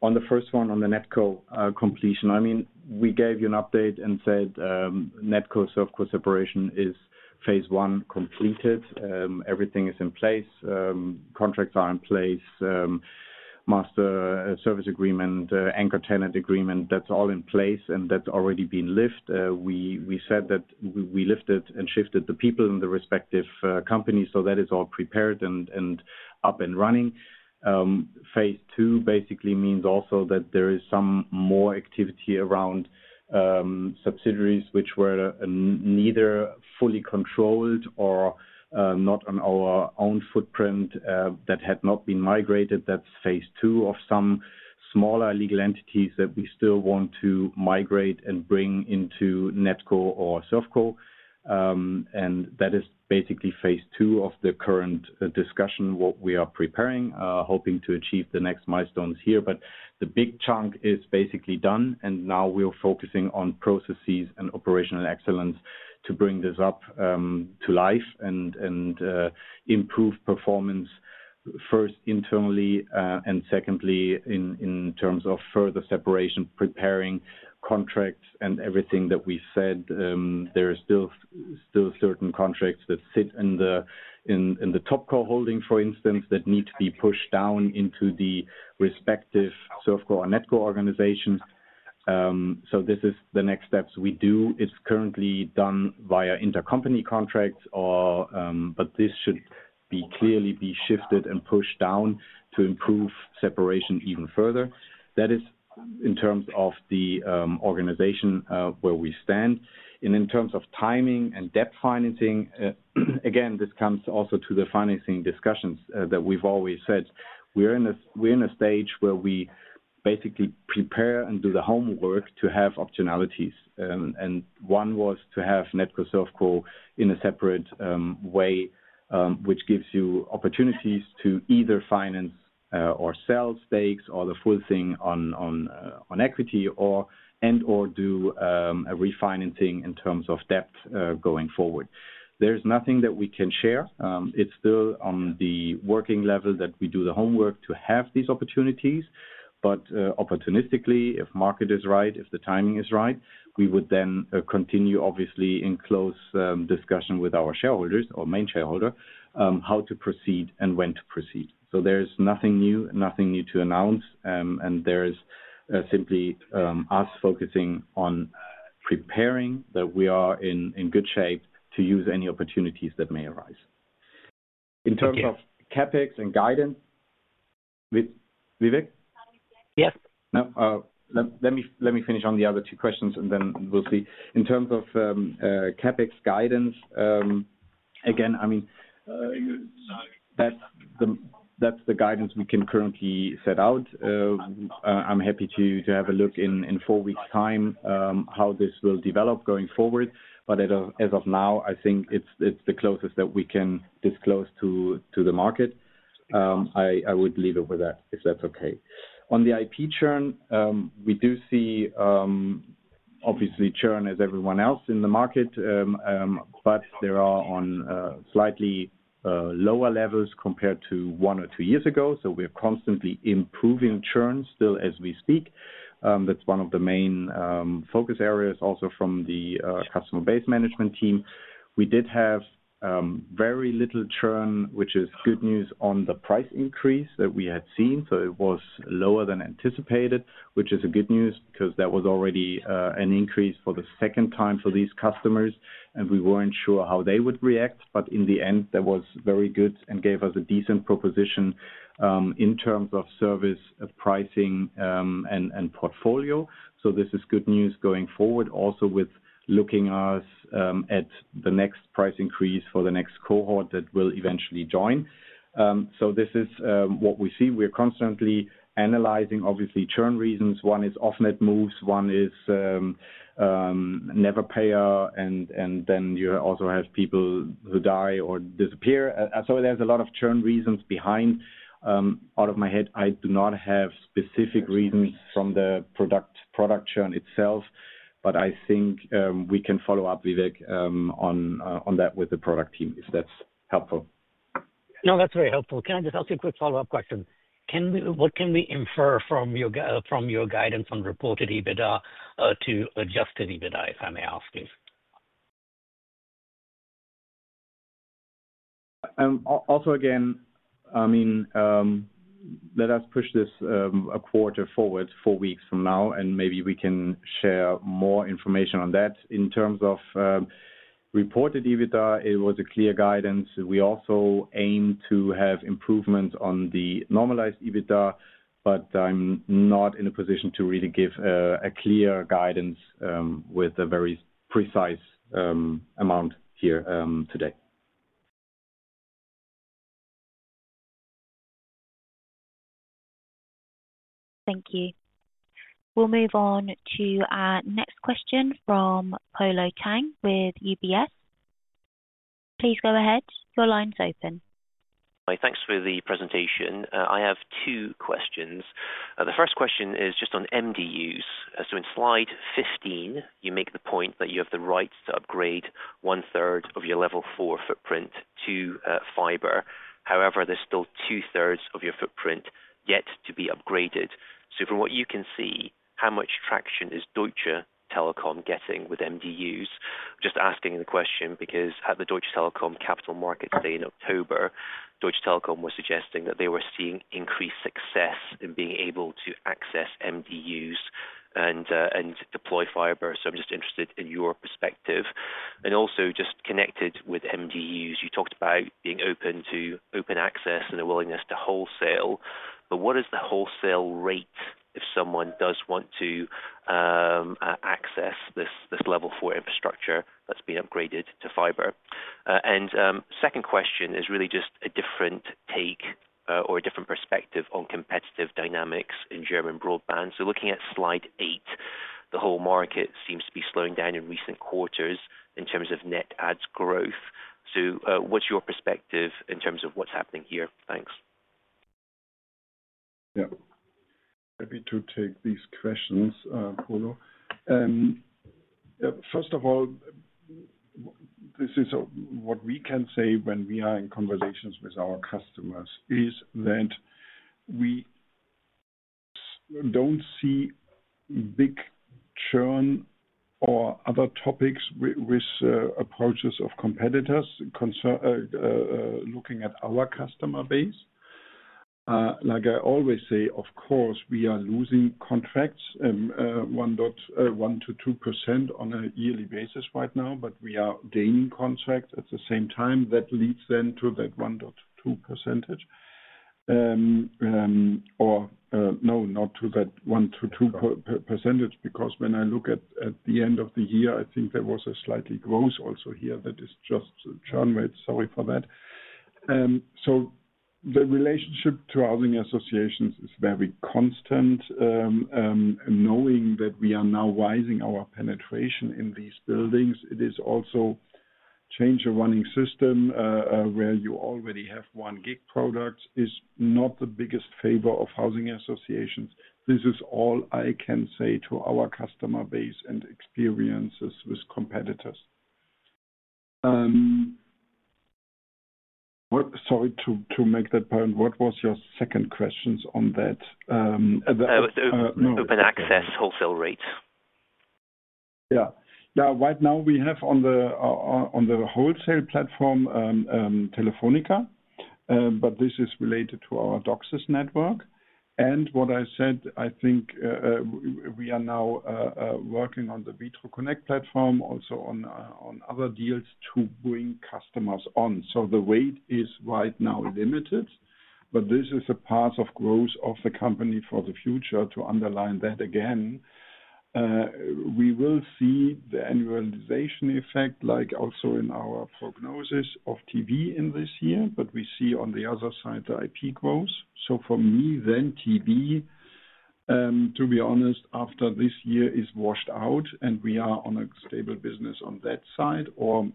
On the first one, on the NetCo completion, I mean, we gave you an update and said NetCo/ServCo separation is phase I completed. Everything is in place. Contracts are in place. Master service agreement, anchor tenant agreement, that's all in place and that's already been lift. We said that we lifted and shifted the people in the respective companies. So that is all prepared and up and running. Phase II basically means also that there is some more activity around subsidiaries which were neither fully controlled or not on our own footprint that had not been migrated. That is phase II of some smaller legal entities that we still want to migrate and bring into NetCo or ServCo. That is basically phase II of the current discussion, what we are preparing, hoping to achieve the next milestones here. The big chunk is basically done. We're focusing on processes and operational excellence to bring this up to life and improve performance, first internally and secondly in terms of further separation, preparing contracts and everything that we said. There are still certain contracts that sit in the top co-holding, for instance, that need to be pushed down into the respective ServCo or NetCo organizations. This is the next steps we do. It's currently done via intercompany contracts, but this should be clearly shifted and pushed down to improve separation even further. That is in terms of the organization where we stand. In terms of timing and debt financing, again, this comes also to the financing discussions that we've always said. We're in a stage where we basically prepare and do the homework to have optionalities. One was to have NetCo/ServCo in a separate way, which gives you opportunities to either finance or sell stakes or the full thing on equity and/or do a refinancing in terms of debt going forward. There is nothing that we can share. It is still on the working level that we do the homework to have these opportunities. Opportunistically, if market is right, if the timing is right, we would then continue, obviously, in close discussion with our shareholders or main shareholder how to proceed and when to proceed. There is nothing new, nothing new to announce. There is simply us focusing on preparing that we are in good shape to use any opportunities that may arise. In terms of CapEx and guidance, Vivek? Yes. Let me finish on the other two questions and then we'll see. In terms of CapEx guidance, again, I mean, that's the guidance we can currently set out. I'm happy to have a look in four weeks' time how this will develop going forward. As of now, I think it's the closest that we can disclose to the market. I would leave it with that if that's okay. On the IP churn, we do see obviously churn as everyone else in the market, but they are on slightly lower levels compared to one or two years ago. We're constantly improving churn still as we speak. That's one of the main focus areas also from the customer base management team. We did have very little churn, which is good news on the price increase that we had seen. It was lower than anticipated, which is good news because there was already an increase for the second time for these customers. We were not sure how they would react. In the end, that was very good and gave us a decent proposition in terms of service pricing and portfolio. This is good news going forward, also with looking at the next price increase for the next cohort that will eventually join. This is what we see. We are constantly analyzing, obviously, churn reasons. One is off-net moves. One is never payer. Then you also have people who die or disappear. There are a lot of churn reasons behind. Out of my head, I do not have specific reasons from the product churn itself. I think we can follow up, Vivek, on that with the product team if that is helpful. No, that's very helpful. Can I just ask you a quick follow-up question? What can we infer from your guidance on reported EBITDA to adjusted EBITDA, if I may ask you? Also, again, I mean, let us push this a quarter forward, four weeks from now, and maybe we can share more information on that. In terms of reported EBITDA, it was a clear guidance. We also aim to have improvements on the normalized EBITDA, but I'm not in a position to really give a clear guidance with a very precise amount here today. Thank you. We'll move on to our next question from Polo Tang with UBS. Please go ahead. Your line's open. Thanks for the presentation. I have two questions. The first question is just on MDUs. In slide 15, you make the point that you have the right to upgrade 1/3 of your level four footprint to fiber. However, there is still 2/3 of your footprint yet to be upgraded. From what you can see, how much traction is Deutsche Telekom getting with MDUs? I am just asking the question because at the Deutsche Telekom Capital Markets Day in October, Deutsche Telekom was suggesting that they were seeing increased success in being able to access MDUs and deploy fiber. I am just interested in your perspective. Also, just connected with MDUs, you talked about being open to open access and a willingness to wholesale. What is the wholesale rate if someone does want to access this level four infrastructure that has been upgraded to fiber? The second question is really just a different take or a different perspective on competitive dynamics in German broadband. Looking at slide eight, the whole market seems to be slowing down in recent quarters in terms of net adds growth. What is your perspective in terms of what is happening here? Thanks. Yeah. Happy to take these questions, Polo. First of all, this is what we can say when we are in conversations with our customers is that we do not see big churn or other topics with approaches of competitors looking at our customer base. Like I always say, of course, we are losing contracts, 1%-2% on a yearly basis right now, but we are gaining contracts. At the same time, that leads then to that 1%-2%. No, not to that 1-2% because when I look at the end of the year, I think there was a slightly gross also here that is just churn rate. Sorry for that. The relationship to housing associations is very constant. Knowing that we are now rising our penetration in these buildings, it is also change a running system where you already have 1 Gb-products is not the biggest favor of housing associations. This is all I can say to our customer base and experiences with competitors. Sorry, to make that point, what was your second question on that? Open access wholesale rates. Yeah. Right now, we have on the wholesale platform Telefónica, but this is related to our DOCSIS network. What I said, I think we are now working on the Vitroconnect platform, also on other deals to bring customers on. The weight is right now limited, but this is a path of growth of the company for the future to underline that again. We will see the annualization effect, like also in our prognosis of TV in this year, but we see on the other side the IP growth. For me, then TV, to be honest, after this year is washed out and we are on a stable business on that side or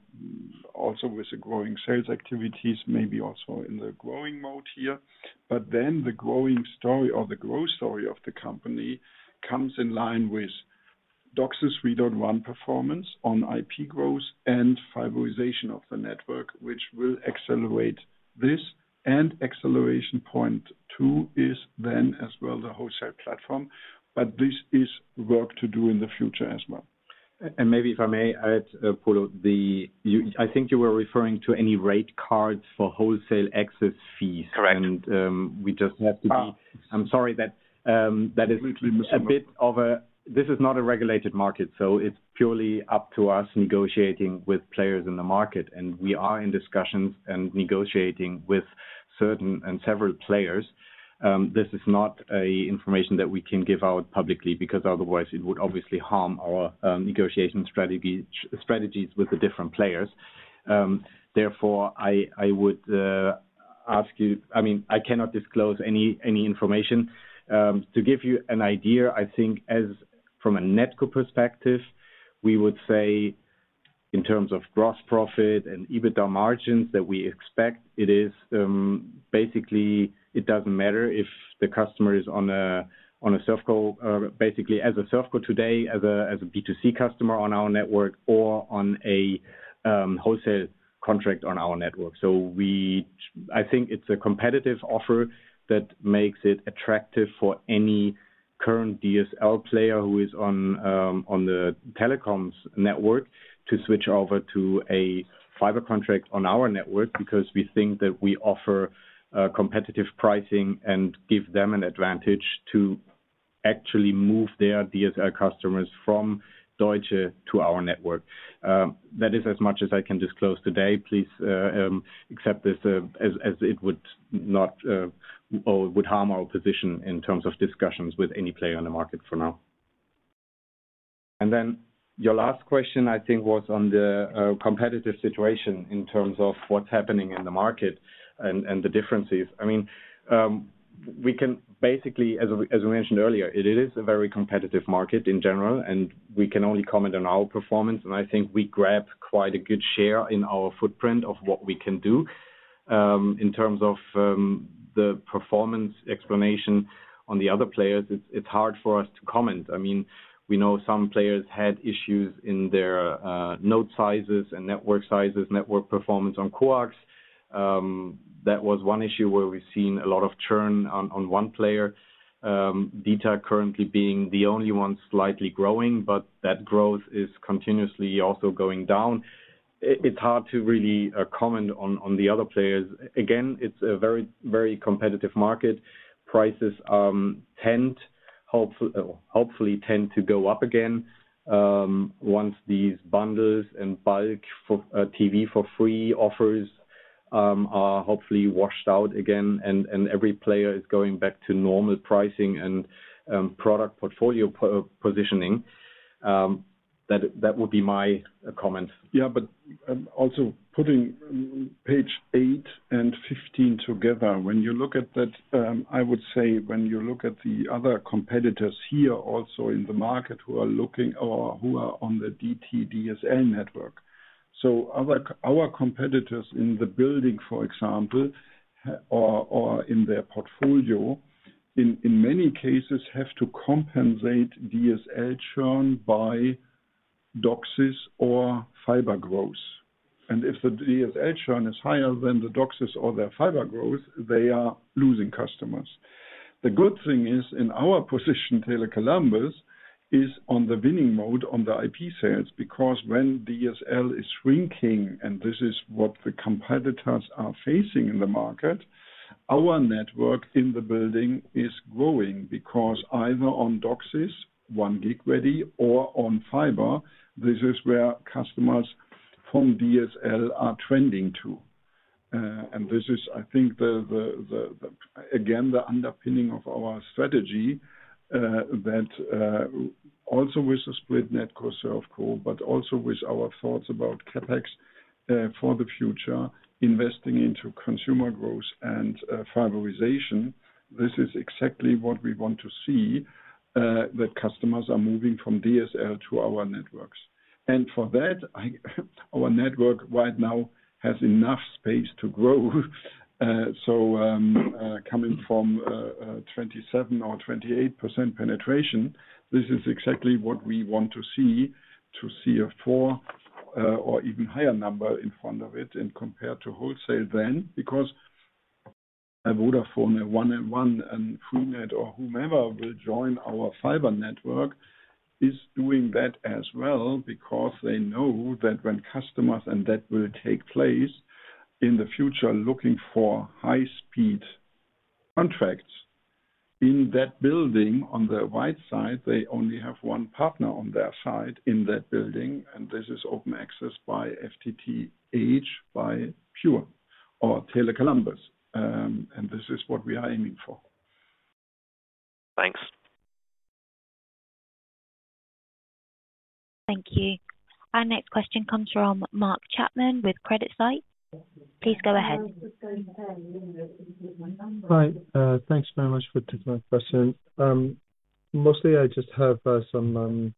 also with the growing sales activities, maybe also in the growing mode here. Then the growing story or the growth story of the company comes in line with DOCSIS 3.1 performance on IP growth and fiberization of the network, which will accelerate this. Acceleration point two is then as well the wholesale platform. This is work to do in the future as well. If I may add, Polo, I think you were referring to any rate cards for wholesale access fees. Correct. We just have to be. Correct. I'm sorry that that is a bit of a this is not a regulated market. It is purely up to us negotiating with players in the market. We are in discussions and negotiating with certain and several players. This is not information that we can give out publicly because otherwise it would obviously harm our negotiation strategies with the different players. Therefore, I would ask you, I mean, I cannot disclose any information. To give you an idea, I think as from a NetCo perspective, we would say in terms of gross profit and EBITDA margins that we expect it is basically it does not matter if the customer is on a ServCo basically as a ServCo today as a B2C customer on our network or on a wholesale contract on our network. I think it's a competitive offer that makes it attractive for any current DSL player who is on the telecoms network to switch over to a fiber contract on our network because we think that we offer competitive pricing and give them an advantage to actually move their DSL customers from Deutsche to our network. That is as much as I can disclose today. Please accept this as it would not or would harm our position in terms of discussions with any player in the market for now. Your last question, I think, was on the competitive situation in terms of what's happening in the market and the differences. I mean, we can basically, as we mentioned earlier, it is a very competitive market in general, and we can only comment on our performance. I think we grab quite a good share in our footprint of what we can do. In terms of the performance explanation on the other players, it's hard for us to comment. I mean, we know some players had issues in their node sizes and network sizes, network performance on coax. That was one issue where we've seen a lot of churn on one player. DTAG currently being the only one slightly growing, but that growth is continuously also going down. It's hard to really comment on the other players. Again, it's a very, very competitive market. Prices hopefully tend to go up again once these bundles and bulk TV for free offers are hopefully washed out again and every player is going back to normal pricing and product portfolio positioning. That would be my comment. Yeah, but also putting page 8 and 15 together, when you look at that, I would say when you look at the other competitors here also in the market who are looking or who are on the DT DSL network. Our competitors in the building, for example, or in their portfolio, in many cases have to compensate DSL churn by DOCSIS or fiber growth. If the DSL churn is higher than the DOCSIS or their fiber growth, they are losing customers. The good thing is in our position, Tele Columbus is on the winning mode on the IP sales because when DSL is shrinking, and this is what the competitors are facing in the market, our network in the building is growing because either on DOCSIS, 1 Gb-ready, or on fiber, this is where customers from DSL are trending to. This is, I think, again, the underpinning of our strategy that also with the split NetCo and ServCo, but also with our thoughts about CapEx for the future, investing into consumer growth and fiberization. This is exactly what we want to see, that customers are moving from DSL to our networks. For that, our network right now has enough space to grow. Coming from 27% or 28% penetration, this is exactly what we want to see to see a four or even higher number in front of it and compare to wholesale then because Vodafone and 1&1 and Freenet or whomever will join our fiber network is doing that as well because they know that when customers and that will take place in the future, looking for high-speed contracts in that building on the right side, they only have one partner on their side in that building. This is open access by FTTH, by PŸUR, or Tele Columbus. This is what we are aiming for. Thanks. Thank you. Our next question comes from Mark Chapman with CreditSights. Please go ahead. Hi. Thanks very much for taking my question. Mostly, I just have some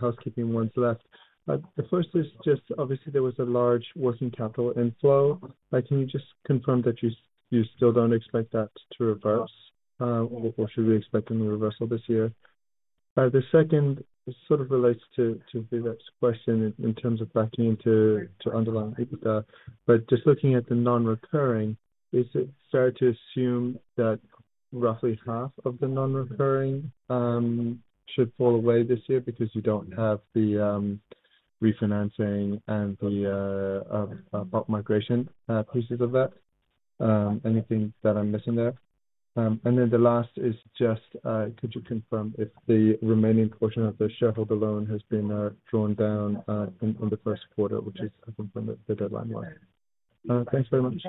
housekeeping ones left. The first is just obviously there was a large working capital inflow. Can you just confirm that you still do not expect that to reverse or should we expect any reversal this year? The second sort of relates to Vivek's question in terms of backing into underlying EBITDA. Just looking at the non-recurring, is it fair to assume that roughly half of the non-recurring should fall away this year because you do not have the refinancing and the migration pieces of that? Anything that I am missing there? The last is just could you confirm if the remaining portion of the shareholder loan has been drawn down in the first quarter, which is the deadline? Thanks very much.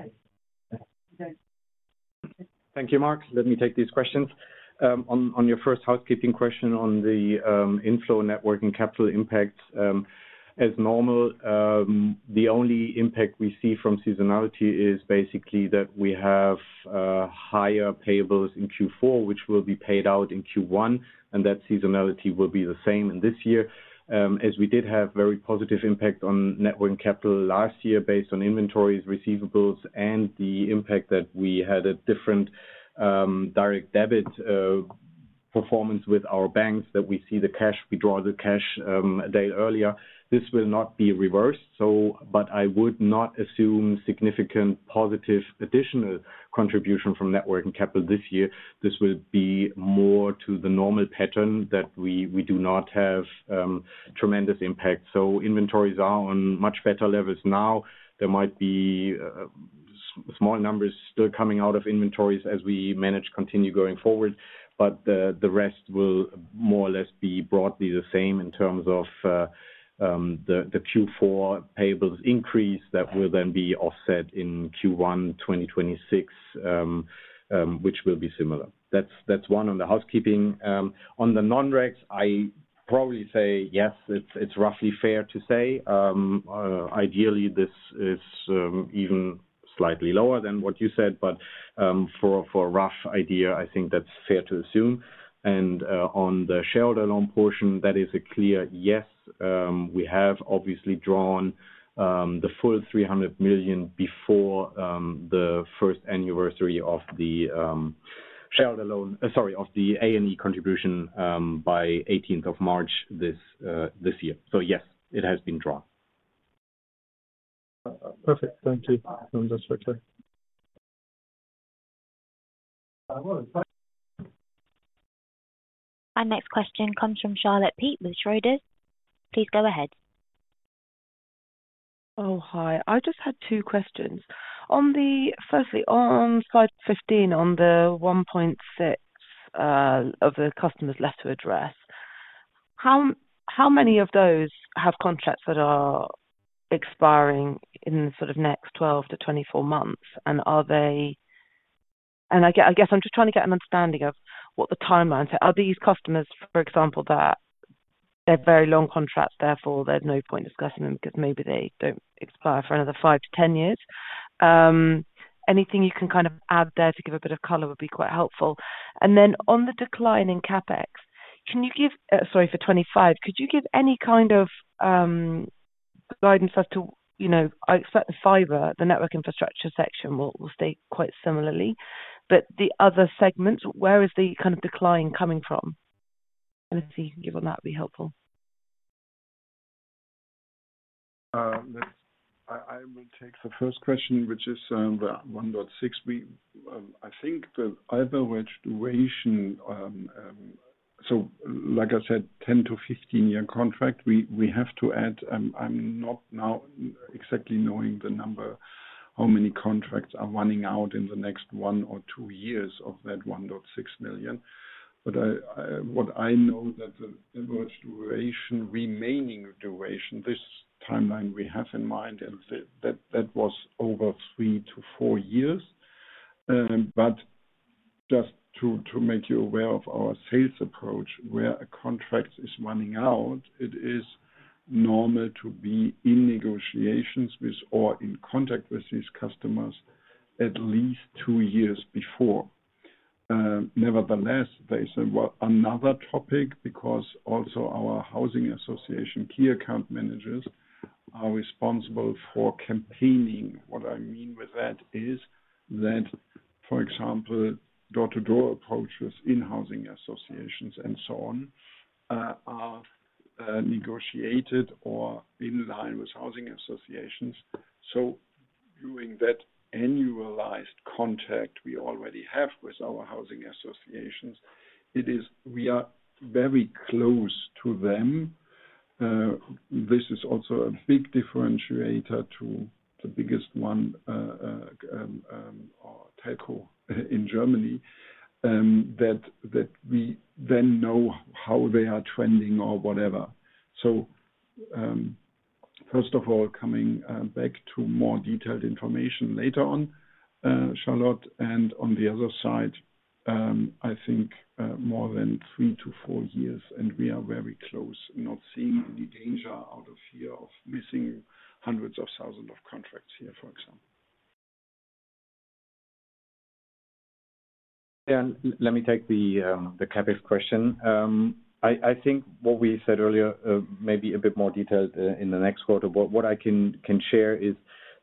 Thank you, Mark. Let me take these questions. On your first housekeeping question on the inflow network and capital impacts, as normal, the only impact we see from seasonality is basically that we have higher payables in Q4, which will be paid out in Q1, and that seasonality will be the same in this year. As we did have very positive impact on networking capital last year based on inventories, receivables, and the impact that we had a different direct debit performance with our banks that we see the cash, we draw the cash a day earlier. This will not be reversed. I would not assume significant positive additional contribution from networking capital this year. This will be more to the normal pattern that we do not have tremendous impact. Inventories are on much better levels now. There might be small numbers still coming out of inventories as we manage continue going forward. The rest will more or less be broadly the same in terms of the Q4 payables increase that will then be offset in Q1 2026, which will be similar. That is one on the housekeeping. On the non-recs, I probably say yes, it is roughly fair to say. Ideally, this is even slightly lower than what you said. For a rough idea, I think that is fair to assume. On the shareholder loan portion, that is a clear yes. We have obviously drawn the full 300 million before the first anniversary of the shareholder loan, sorry, of the A&E contribution by 18th of March this year. Yes, it has been drawn. Perfect. Thank you. Understood. Our next question comes from Charlotte Peat with Schroders. Please go ahead. Oh, hi. I just had two questions. Firstly, on slide 15 on the 1.6 of the customers left to address, how many of those have contracts that are expiring in sort of next 12-24 months? I guess I'm just trying to get an understanding of what the timeline is. Are these customers, for example, that they're very long contracts, therefore there's no point discussing them because maybe they don't expire for another 5-10 years? Anything you can kind of add there to give a bit of color would be quite helpful. On the decline in CapEx, can you give, sorry, for 2025, could you give any kind of guidance as to, I expect the fiber, the network infrastructure section will stay quite similarly. The other segments, where is the kind of decline coming from? Anything you can give on that would be helpful. I will take the first question, which is 1.6. I think the other way to ratio, like I said, 10-15 year contract, we have to add I am not now exactly knowing the number, how many contracts are running out in the next one or two years of that 1.6 million. What I know is that the average duration, remaining duration, this timeline we have in mind, that was over three to four years. Just to make you aware of our sales approach, where a contract is running out, it is normal to be in negotiations with or in contact with these customers at least two years before. Nevertheless, there is another topic because also our housing association key account managers are responsible for campaigning. What I mean with that is that, for example, door-to-door approaches in housing associations and so on are negotiated or in line with housing associations. During that annualized contact we already have with our housing associations, we are very close to them. This is also a big differentiator to the biggest one or telco in Germany that we then know how they are trending or whatever. First of all, coming back to more detailed information later on, Charlotte. On the other side, I think more than three to four years, and we are very close and not seeing any danger out of fear of missing hundreds of thousands of contracts here, for example. Yeah. Let me take the CapEx question. I think what we said earlier, maybe a bit more detailed in the next quarter, what I can share is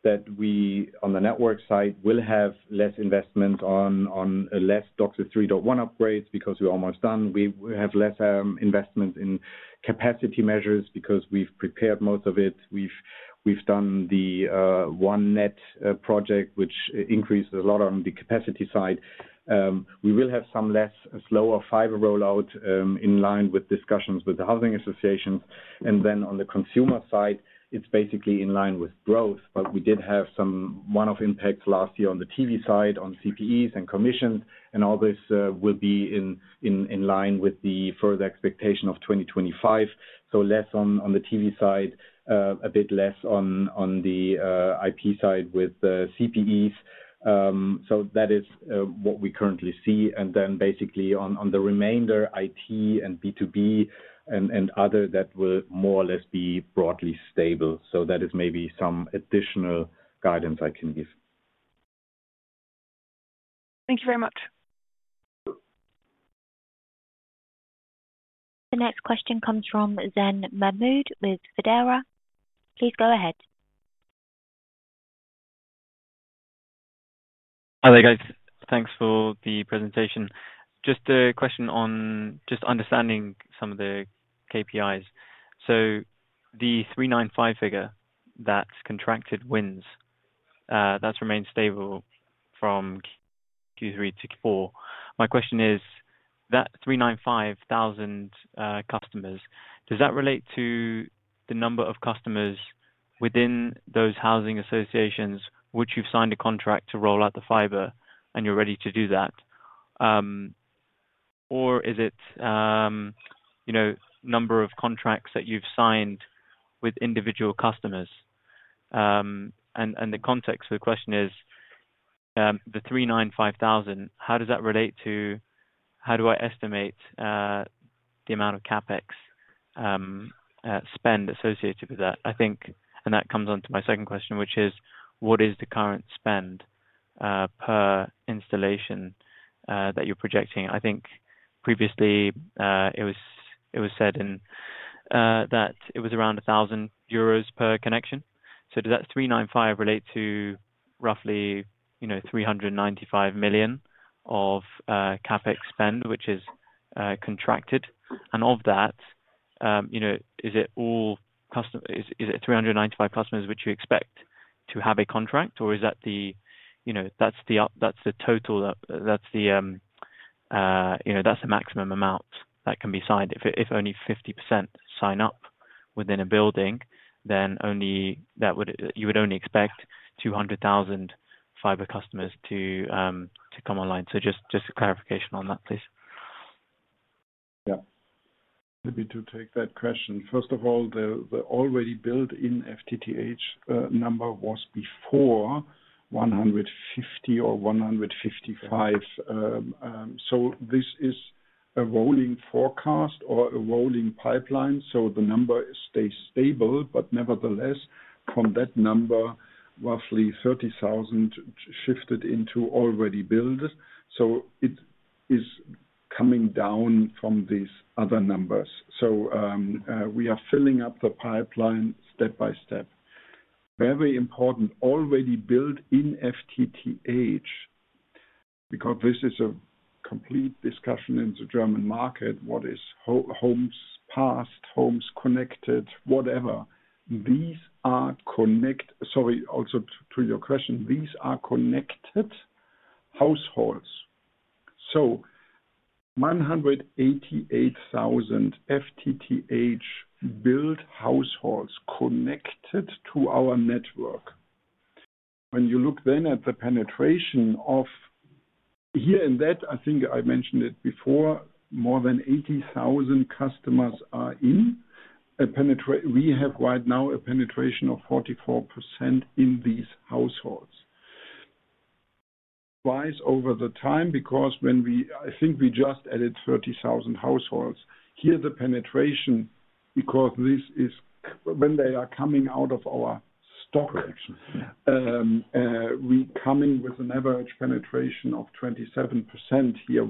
that we on the network side will have less investments on less DOCSIS 3.1 upgrades because we're almost done. We have less investments in capacity measures because we've prepared most of it. We've done the OneNET project, which increased a lot on the capacity side. We will have some less slower fiber rollout in line with discussions with the housing associations. On the consumer side, it's basically in line with growth. We did have some one-off impacts last year on the TV side, on CPEs and commissions. All this will be in line with the further expectation of 2025. Less on the TV side, a bit less on the IP side with the CPEs. That is what we currently see. Basically on the remainder, IT and B2B and other, that will more or less be broadly stable. That is maybe some additional guidance I can give. Thank you very much. The next question comes from Zehn Mahmoud with Fidera. Please go ahead. Hi there, guys. Thanks for the presentation. Just a question on just understanding some of the KPIs. The 395,000 figure, that's contracted wins. That's remained stable from Q3 to Q4. My question is that 395,000 customers, does that relate to the number of customers within those housing associations which you've signed a contract to roll out the fiber and you're ready to do that? Or is it number of contracts that you've signed with individual customers? The context of the question is the 395,000, how does that relate to how do I estimate the amount of CapEx spend associated with that? I think, and that comes on to my second question, which is what is the current spend per installation that you're projecting? I think previously it was said that it was around 1,000 euros per connection. Does that 395,000 relate to roughly 395 million of CapEx spend, which is contracted? Of that, is it all customers? Is it 395,000 customers which you expect to have a contract? Or is that the total, is that the maximum amount that can be signed? If only 50% sign up within a building, then you would only expect 200,000 fiber customers to come online. Just a clarification on that, please. Yeah. Maybe to take that question. First of all, the already built-in FTTH number was before 150,000 or 155,000. This is a rolling forecast or a rolling pipeline. The number stays stable. Nevertheless, from that number, roughly 30,000 shifted into already built. It is coming down from these other numbers. We are filling up the pipeline step by step. Very important, already built-in FTTH, because this is a complete discussion in the German market, what is home's past, home's connected, whatever. These are connected—sorry, also to your question, these are connected households. 188,000 FTTH built households connected to our network. When you look then at the penetration of here and that, I think I mentioned it before, more than 80,000 customers are in. We have right now a penetration of 44% in these households. Twice over the time, because when we, I think we just added 30,000 households. Here the penetration, because this is when they are coming out of our stock, we are coming with an average penetration of 27% here.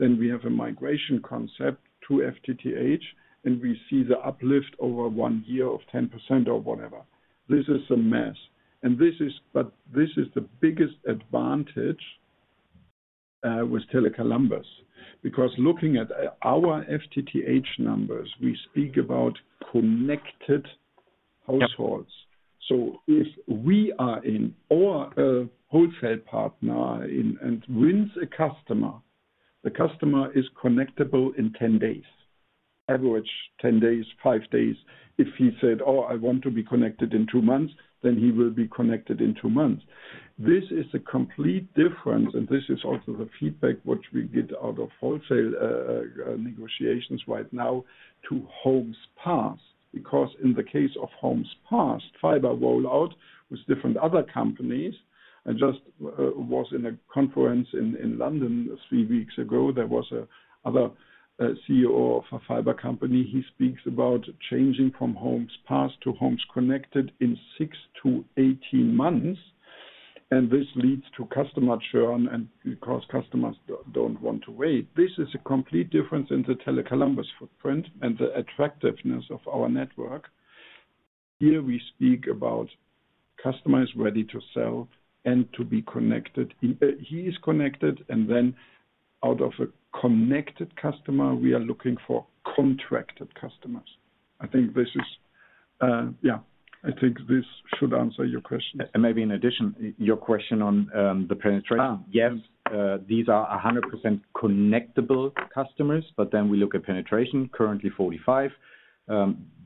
We have a migration concept to FTTH, and we see the uplift over one year of 10% or whatever. This is a mess. This is the biggest advantage with Tele Columbus, because looking at our FTTH numbers, we speak about connected households. If we are in or a wholesale partner and wins a customer, the customer is connectable in 10 days, average 10 days, 5 days. If he said, "Oh, I want to be connected in two months," he will be connected in two months. This is a complete difference. This is also the feedback which we get out of wholesale negotiations right now to home's past. Because in the case of homes passed, fiber rollout with different other companies. I just was in a conference in London three weeks ago. There was another CEO of a fiber company. He speaks about changing from homes passed to homes connected in 6-18 months. This leads to customer churn because customers do not want to wait. This is a complete difference in the Tele Columbus footprint and the attractiveness of our network. Here we speak about customers ready to sell and to be connected. He is connected. Then out of a connected customer, we are looking for contracted customers. I think this is, yeah, I think this should answer your question. Maybe in addition, your question on the penetration. Yes, these are 100% connectable customers. When we look at penetration, currently 45%.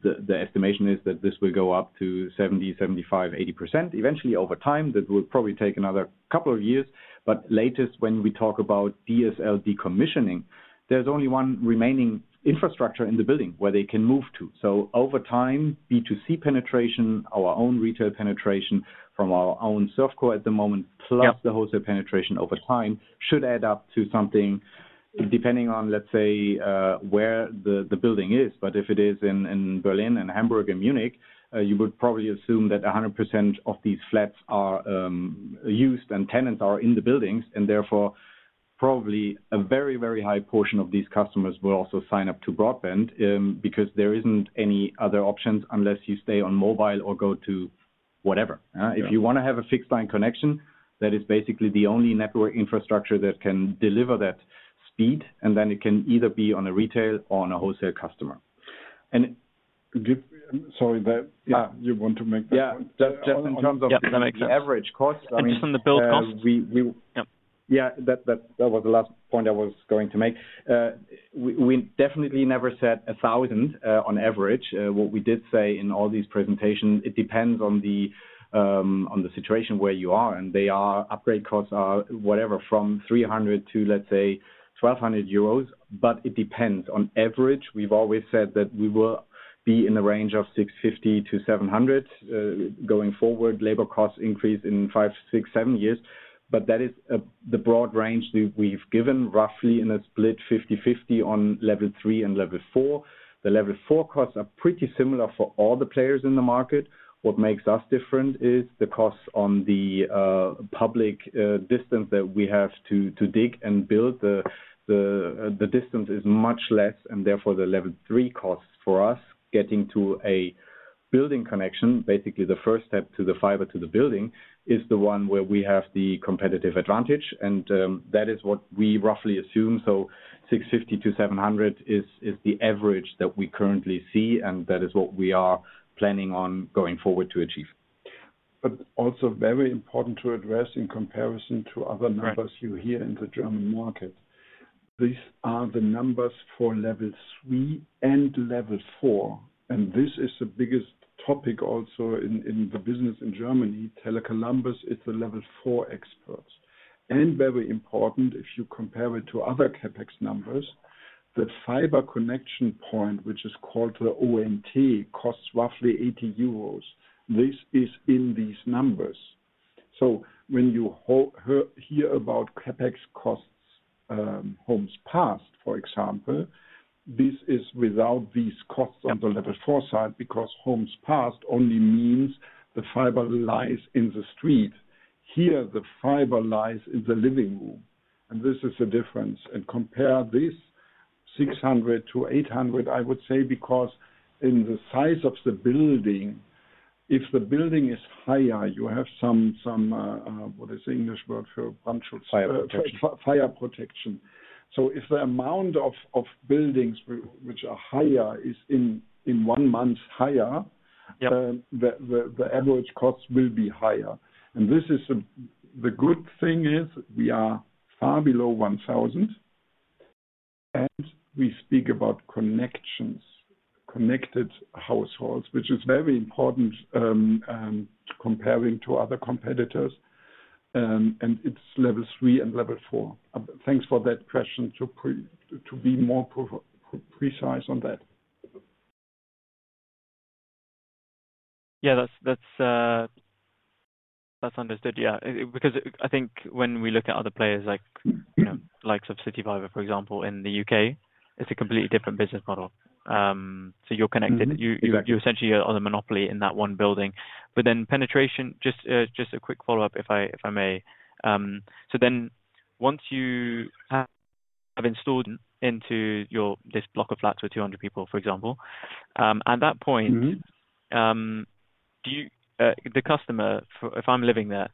The estimation is that this will go up to 70%, 75%, 80% eventually over time. That will probably take another couple of years. Latest, when we talk about DSL decommissioning, there is only one remaining infrastructure in the building where they can move to. Over time, B2C penetration, our own retail penetration from our own ServCo at the moment, plus the wholesale penetration over time should add up to something depending on, let's say, where the building is. If it is in Berlin and Hamburg and Munich, you would probably assume that 100% of these flats are used and tenants are in the buildings. Therefore, probably a very, very high portion of these customers will also sign up to broadband because there is not any other options unless you stay on mobile or go to whatever. If you want to have a fixed line connection, that is basically the only network infrastructure that can deliver that speed. It can either be on a retail or on a wholesale customer. Sorry, yeah, you want to make that point? Yeah, just in terms of the average cost. Just on the build cost? Yeah, that was the last point I was going to make. We definitely never said 1,000 on average. What we did say in all these presentations, it depends on the situation where you are. They are upgrade costs are whatever from 300 to, let's say, 1,200 euros. It depends on average. We've always said that we will be in the range of 650-700 going forward. Labor costs increase in five, six, seven years. That is the broad range that we've given, roughly in a split 50/50 on level three and level four. The level four costs are pretty similar for all the players in the market. What makes us different is the costs on the public distance that we have to dig and build. The distance is much less. Therefore, the level three costs for us getting to a building connection, basically the first step to the fiber to the building, is the one where we have the competitive advantage. That is what we roughly assume. 650-700 is the average that we currently see. That is what we are planning on going forward to achieve. Also very important to address in comparison to other numbers you hear in the German market. These are the numbers for level three and level four. This is the biggest topic also in the business in Germany. Tele Columbus is the level four experts. Very important, if you compare it to other CapEx numbers, the fiber connection point, which is called the ONT, costs roughly 80 euros. This is in these numbers. When you hear about CapEx costs, home's past, for example, this is without these costs on the level four side because home's past only means the fiber lies in the street. Here, the fiber lies in the living room. This is the difference. Compare this 600-800, I would say, because in the size of the building, if the building is higher, you have some, what is the English word for fire protection. If the amount of buildings which are higher is in one month higher, the average cost will be higher. The good thing is we are far below 1,000. We speak about connections, connected households, which is very important comparing to other competitors. It is level three and level four. Thanks for that question to be more precise on that. Yeah, that's understood. Yeah. Because I think when we look at other players like CityFibre, for example, in the U.K., it's a completely different business model. You're connected. You're essentially on a monopoly in that one building. Penetration, just a quick follow-up, if I may. Once you have installed into this block of flats with 200 people, for example, at that point, the customer, if I'm living there,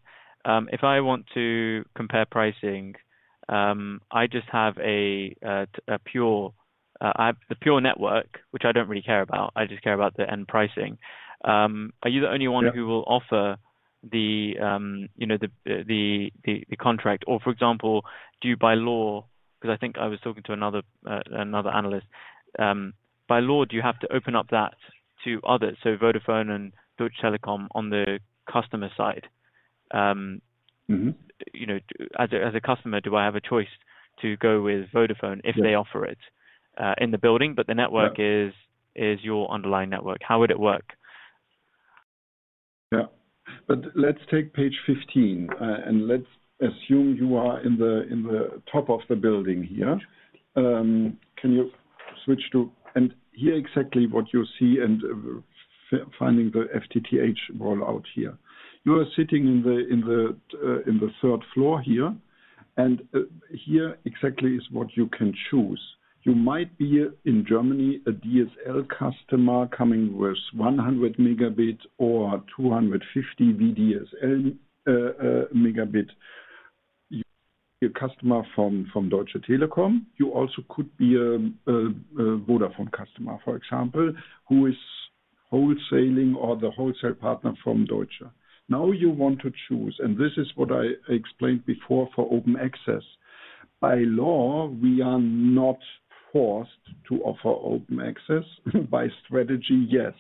if I want to compare pricing, I just have a pure, the pure network, which I don't really care about. I just care about the end pricing. Are you the only one who will offer the contract? For example, do you by law, because I think I was talking to another analyst, by law, do you have to open up that to others? Vodafone and Deutsche Telekom on the customer side. As a customer, do I have a choice to go with Vodafone if they offer it in the building? The network is your underlying network. How would it work? Yeah. Let's take page 15. Let's assume you are in the top of the building here. Can you switch to and hear exactly what you see and finding the FTTH rollout here? You are sitting in the third floor here. Here exactly is what you can choose. You might be in Germany, a DSL customer coming with 100 Mb or 250 VDSL Mb. You are a customer from Deutsche Telekom. You also could be a Vodafone customer, for example, who is wholesaling or the wholesale partner from Deutsche. Now you want to choose. This is what I explained before for open access. By law, we are not forced to offer open access. By strategy, yes.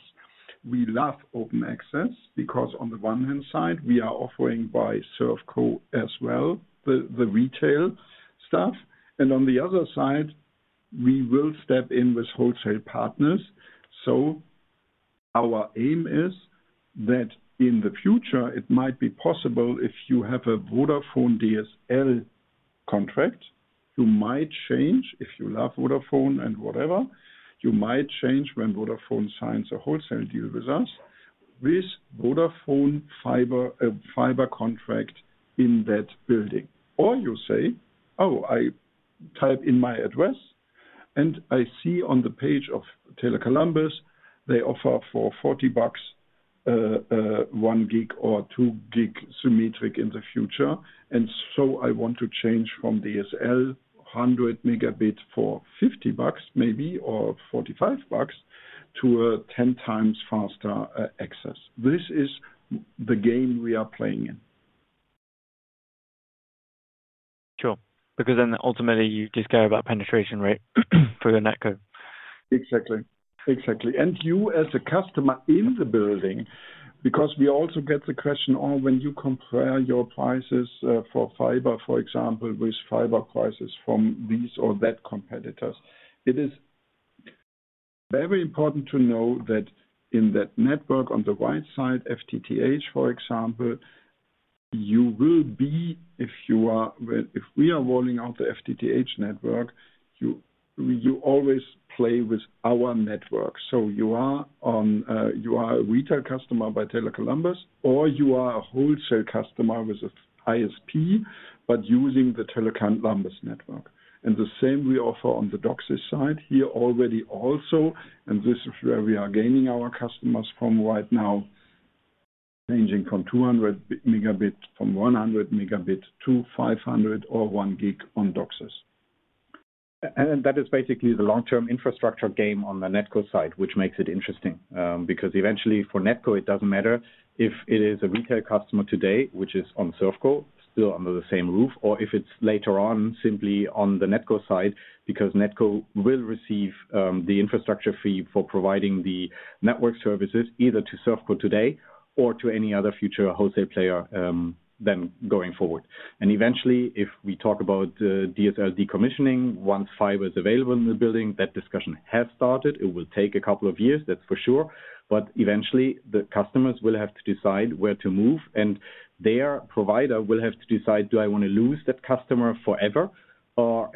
We love open access because on the one hand side, we are offering by ServCo as well, the retail stuff. On the other side, we will step in with wholesale partners. Our aim is that in the future, it might be possible if you have a Vodafone DSL contract, you might change if you love Vodafone and whatever. You might change when Vodafone signs a wholesale deal with us with a Vodafone fiber contract in that building. Or you say, "Oh, I type in my address, and I see on the page of Tele Columbus, they offer for EUR 40 1 Gb or 2 Gb symmetric in the future. And so I want to change from DSL 100 Mb for EUR 50 maybe or EUR 45 to a 10x faster access." This is the game we are playing in. Sure. Because then ultimately, you just go about penetration rate for your NetCo. Exactly. Exactly. You as a customer in the building, because we also get the question, "Oh, when you compare your prices for fiber, for example, with fiber prices from these or that competitors," it is very important to know that in that network on the right side, FTTH, for example, you will be, if we are rolling out the FTTH network, you always play with our network. You are a retail customer by Tele Columbus, or you are a wholesale customer with ISP, but using the Tele Columbus network. The same we offer on the DOCSIS side here already also. This is where we are gaining our customers from right now, changing from 200 Mb, from 100 Mb to 500 Mb or 1 Gb on DOCSIS. That is basically the long-term infrastructure game on the NetCo side, which makes it interesting. Eventually, for NetCo, it does not matter if it is a retail customer today, which is on ServCo, still under the same roof, or if it is later on simply on the NetCo side, because NetCo will receive the infrastructure fee for providing the network services either to ServCo today or to any other future wholesale player going forward. Eventually, if we talk about DSL decommissioning, once fiber is available in the building, that discussion has started. It will take a couple of years, that is for sure. Eventually, the customers will have to decide where to move. Their provider will have to decide, "Do I want to lose that customer forever?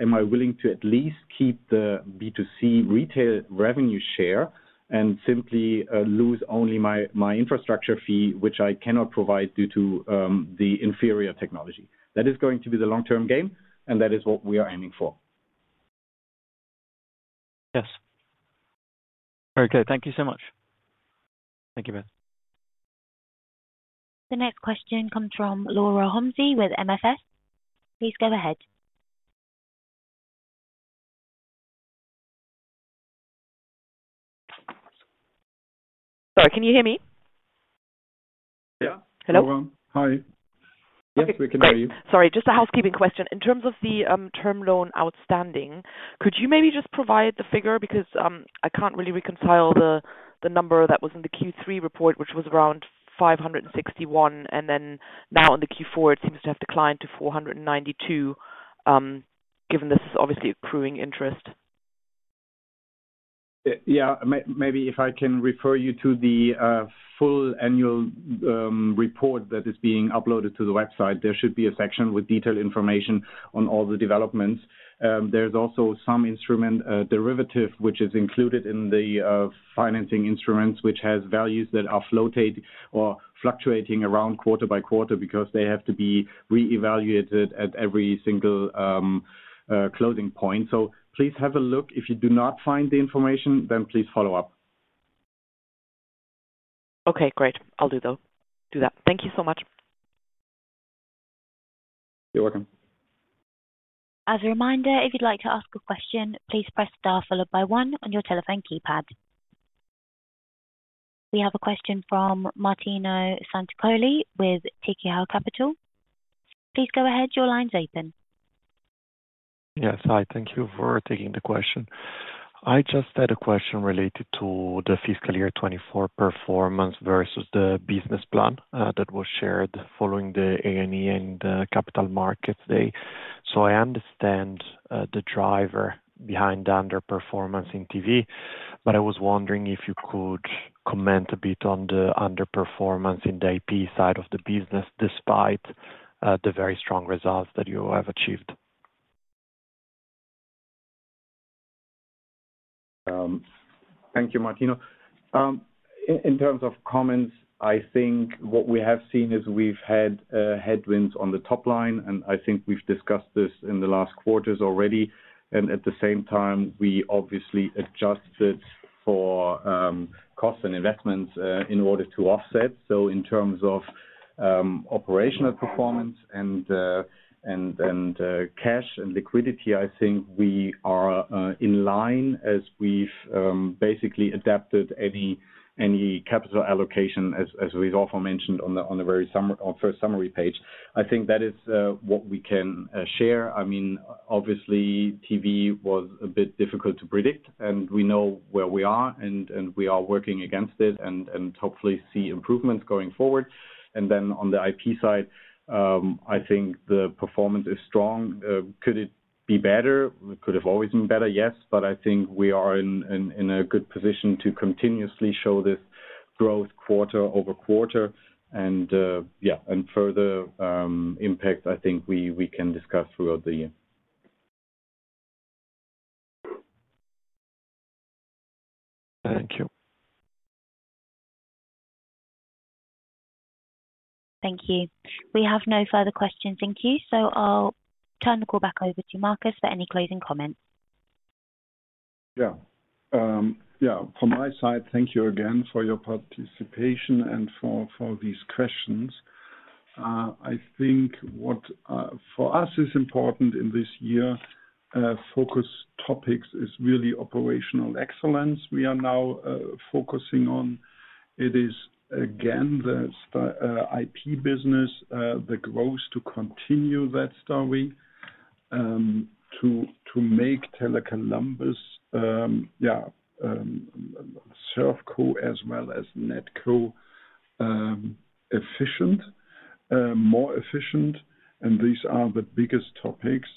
Am I willing to at least keep the B2C retail revenue share and simply lose only my infrastructure fee, which I cannot provide due to the inferior technology? That is going to be the long-term game. That is what we are aiming for. Yes. Okay. Thank you so much. Thank you both. The next question comes from Laura Homsey with MFS. Please go ahead. Sorry, can you hear me? Yeah. Hello? Hi. Yes, we can hear you. Sorry, just a housekeeping question. In terms of the term loan outstanding, could you maybe just provide the figure? Because I can't really reconcile the number that was in the Q3 report, which was around 561 million. And then now in the Q4, it seems to have declined to 492 million, given this is obviously accruing interest. Yeah. Maybe if I can refer you to the full annual report that is being uploaded to the website, there should be a section with detailed information on all the developments. There is also some instrument derivative, which is included in the financing instruments, which has values that are floating or fluctuating around quarter by quarter because they have to be reevaluated at every single closing point. Please have a look. If you do not find the information, then please follow up. Okay. Great. I'll do that. Thank you so much. You're welcome. As a reminder, if you'd like to ask a question, please press star followed by one on your telephone keypad. We have a question from Martino Santicoli with Tikehau Capital. Please go ahead. Your line's open. Yes. Hi. Thank you for taking the question. I just had a question related to the fiscal year 2024 performance versus the business plan that was shared following the ANE and Capital Markets Day. I understand the driver behind the underperformance in TV, but I was wondering if you could comment a bit on the underperformance in the IP side of the business despite the very strong results that you have achieved. Thank you, Martino. In terms of comments, I think what we have seen is we've had headwinds on the top line. I think we've discussed this in the last quarters already. At the same time, we obviously adjusted for costs and investments in order to offset. In terms of operational performance and cash and liquidity, I think we are in line as we've basically adapted any capital allocation, as we've also mentioned on the very first summary page. I think that is what we can share. I mean, obviously, TV was a bit difficult to predict. We know where we are. We are working against it and hopefully see improvements going forward. On the IP side, I think the performance is strong. Could it be better? It could have always been better, yes. I think we are in a good position to continuously show this growth quarter over quarter. Yeah, and further impact, I think we can discuss throughout the year. Thank you. Thank you. We have no further questions. Thank you. I will turn the call back over to Markus for any closing comments. Yeah. Yeah. From my side, thank you again for your participation and for these questions. I think what for us is important in this year focus topics is really operational excellence we are now focusing on. It is, again, the IP business, the growth to continue that story, to make Tele Columbus, yeah, ServCo as well as NetCo, more efficient. These are the biggest topics.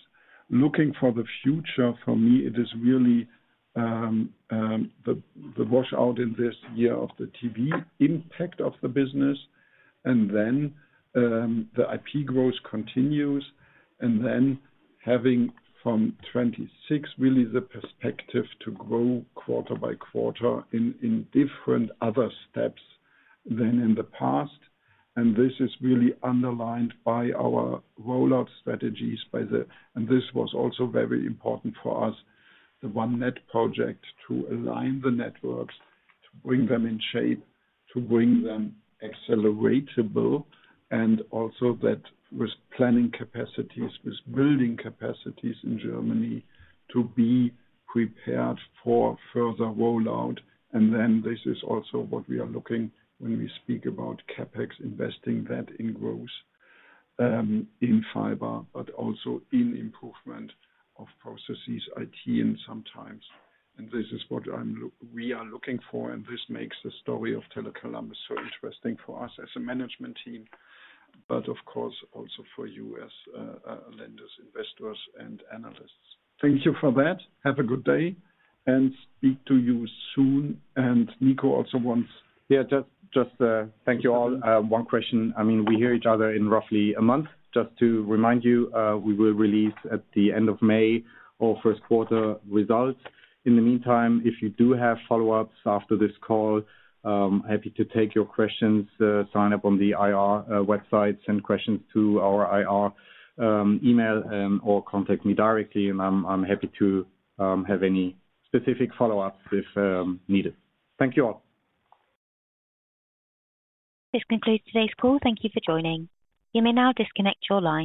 Looking for the future, for me, it is really the washout in this year of the TV impact of the business. The IP growth continues. Having from 2026, really the perspective to grow quarter by quarter in different other steps than in the past. This is really underlined by our rollout strategies. This was also very important for us, the OneNet project to align the networks, to bring them in shape, to bring them acceleratable, and also that with planning capacities, with building capacities in Germany to be prepared for further rollout. This is also what we are looking when we speak about CapEx investing that in growth in fiber, but also in improvement of processes, IT, and sometimes. This is what we are looking for. This makes the story of Tele Columbus so interesting for us as a management team, but of course, also for you as lenders, investors, and analysts. Thank you for that. Have a good day and speak to you soon. Nico also wants. Yeah, just thank you all. I mean, we hear each other in roughly a month. Just to remind you, we will release at the end of May our first quarter results. In the meantime, if you do have follow-ups after this call, happy to take your questions, sign up on the IR website, send questions to our IR email, or contact me directly. I am happy to have any specific follow-ups if needed. Thank you all. This concludes today's call. Thank you for joining. You may now disconnect your line.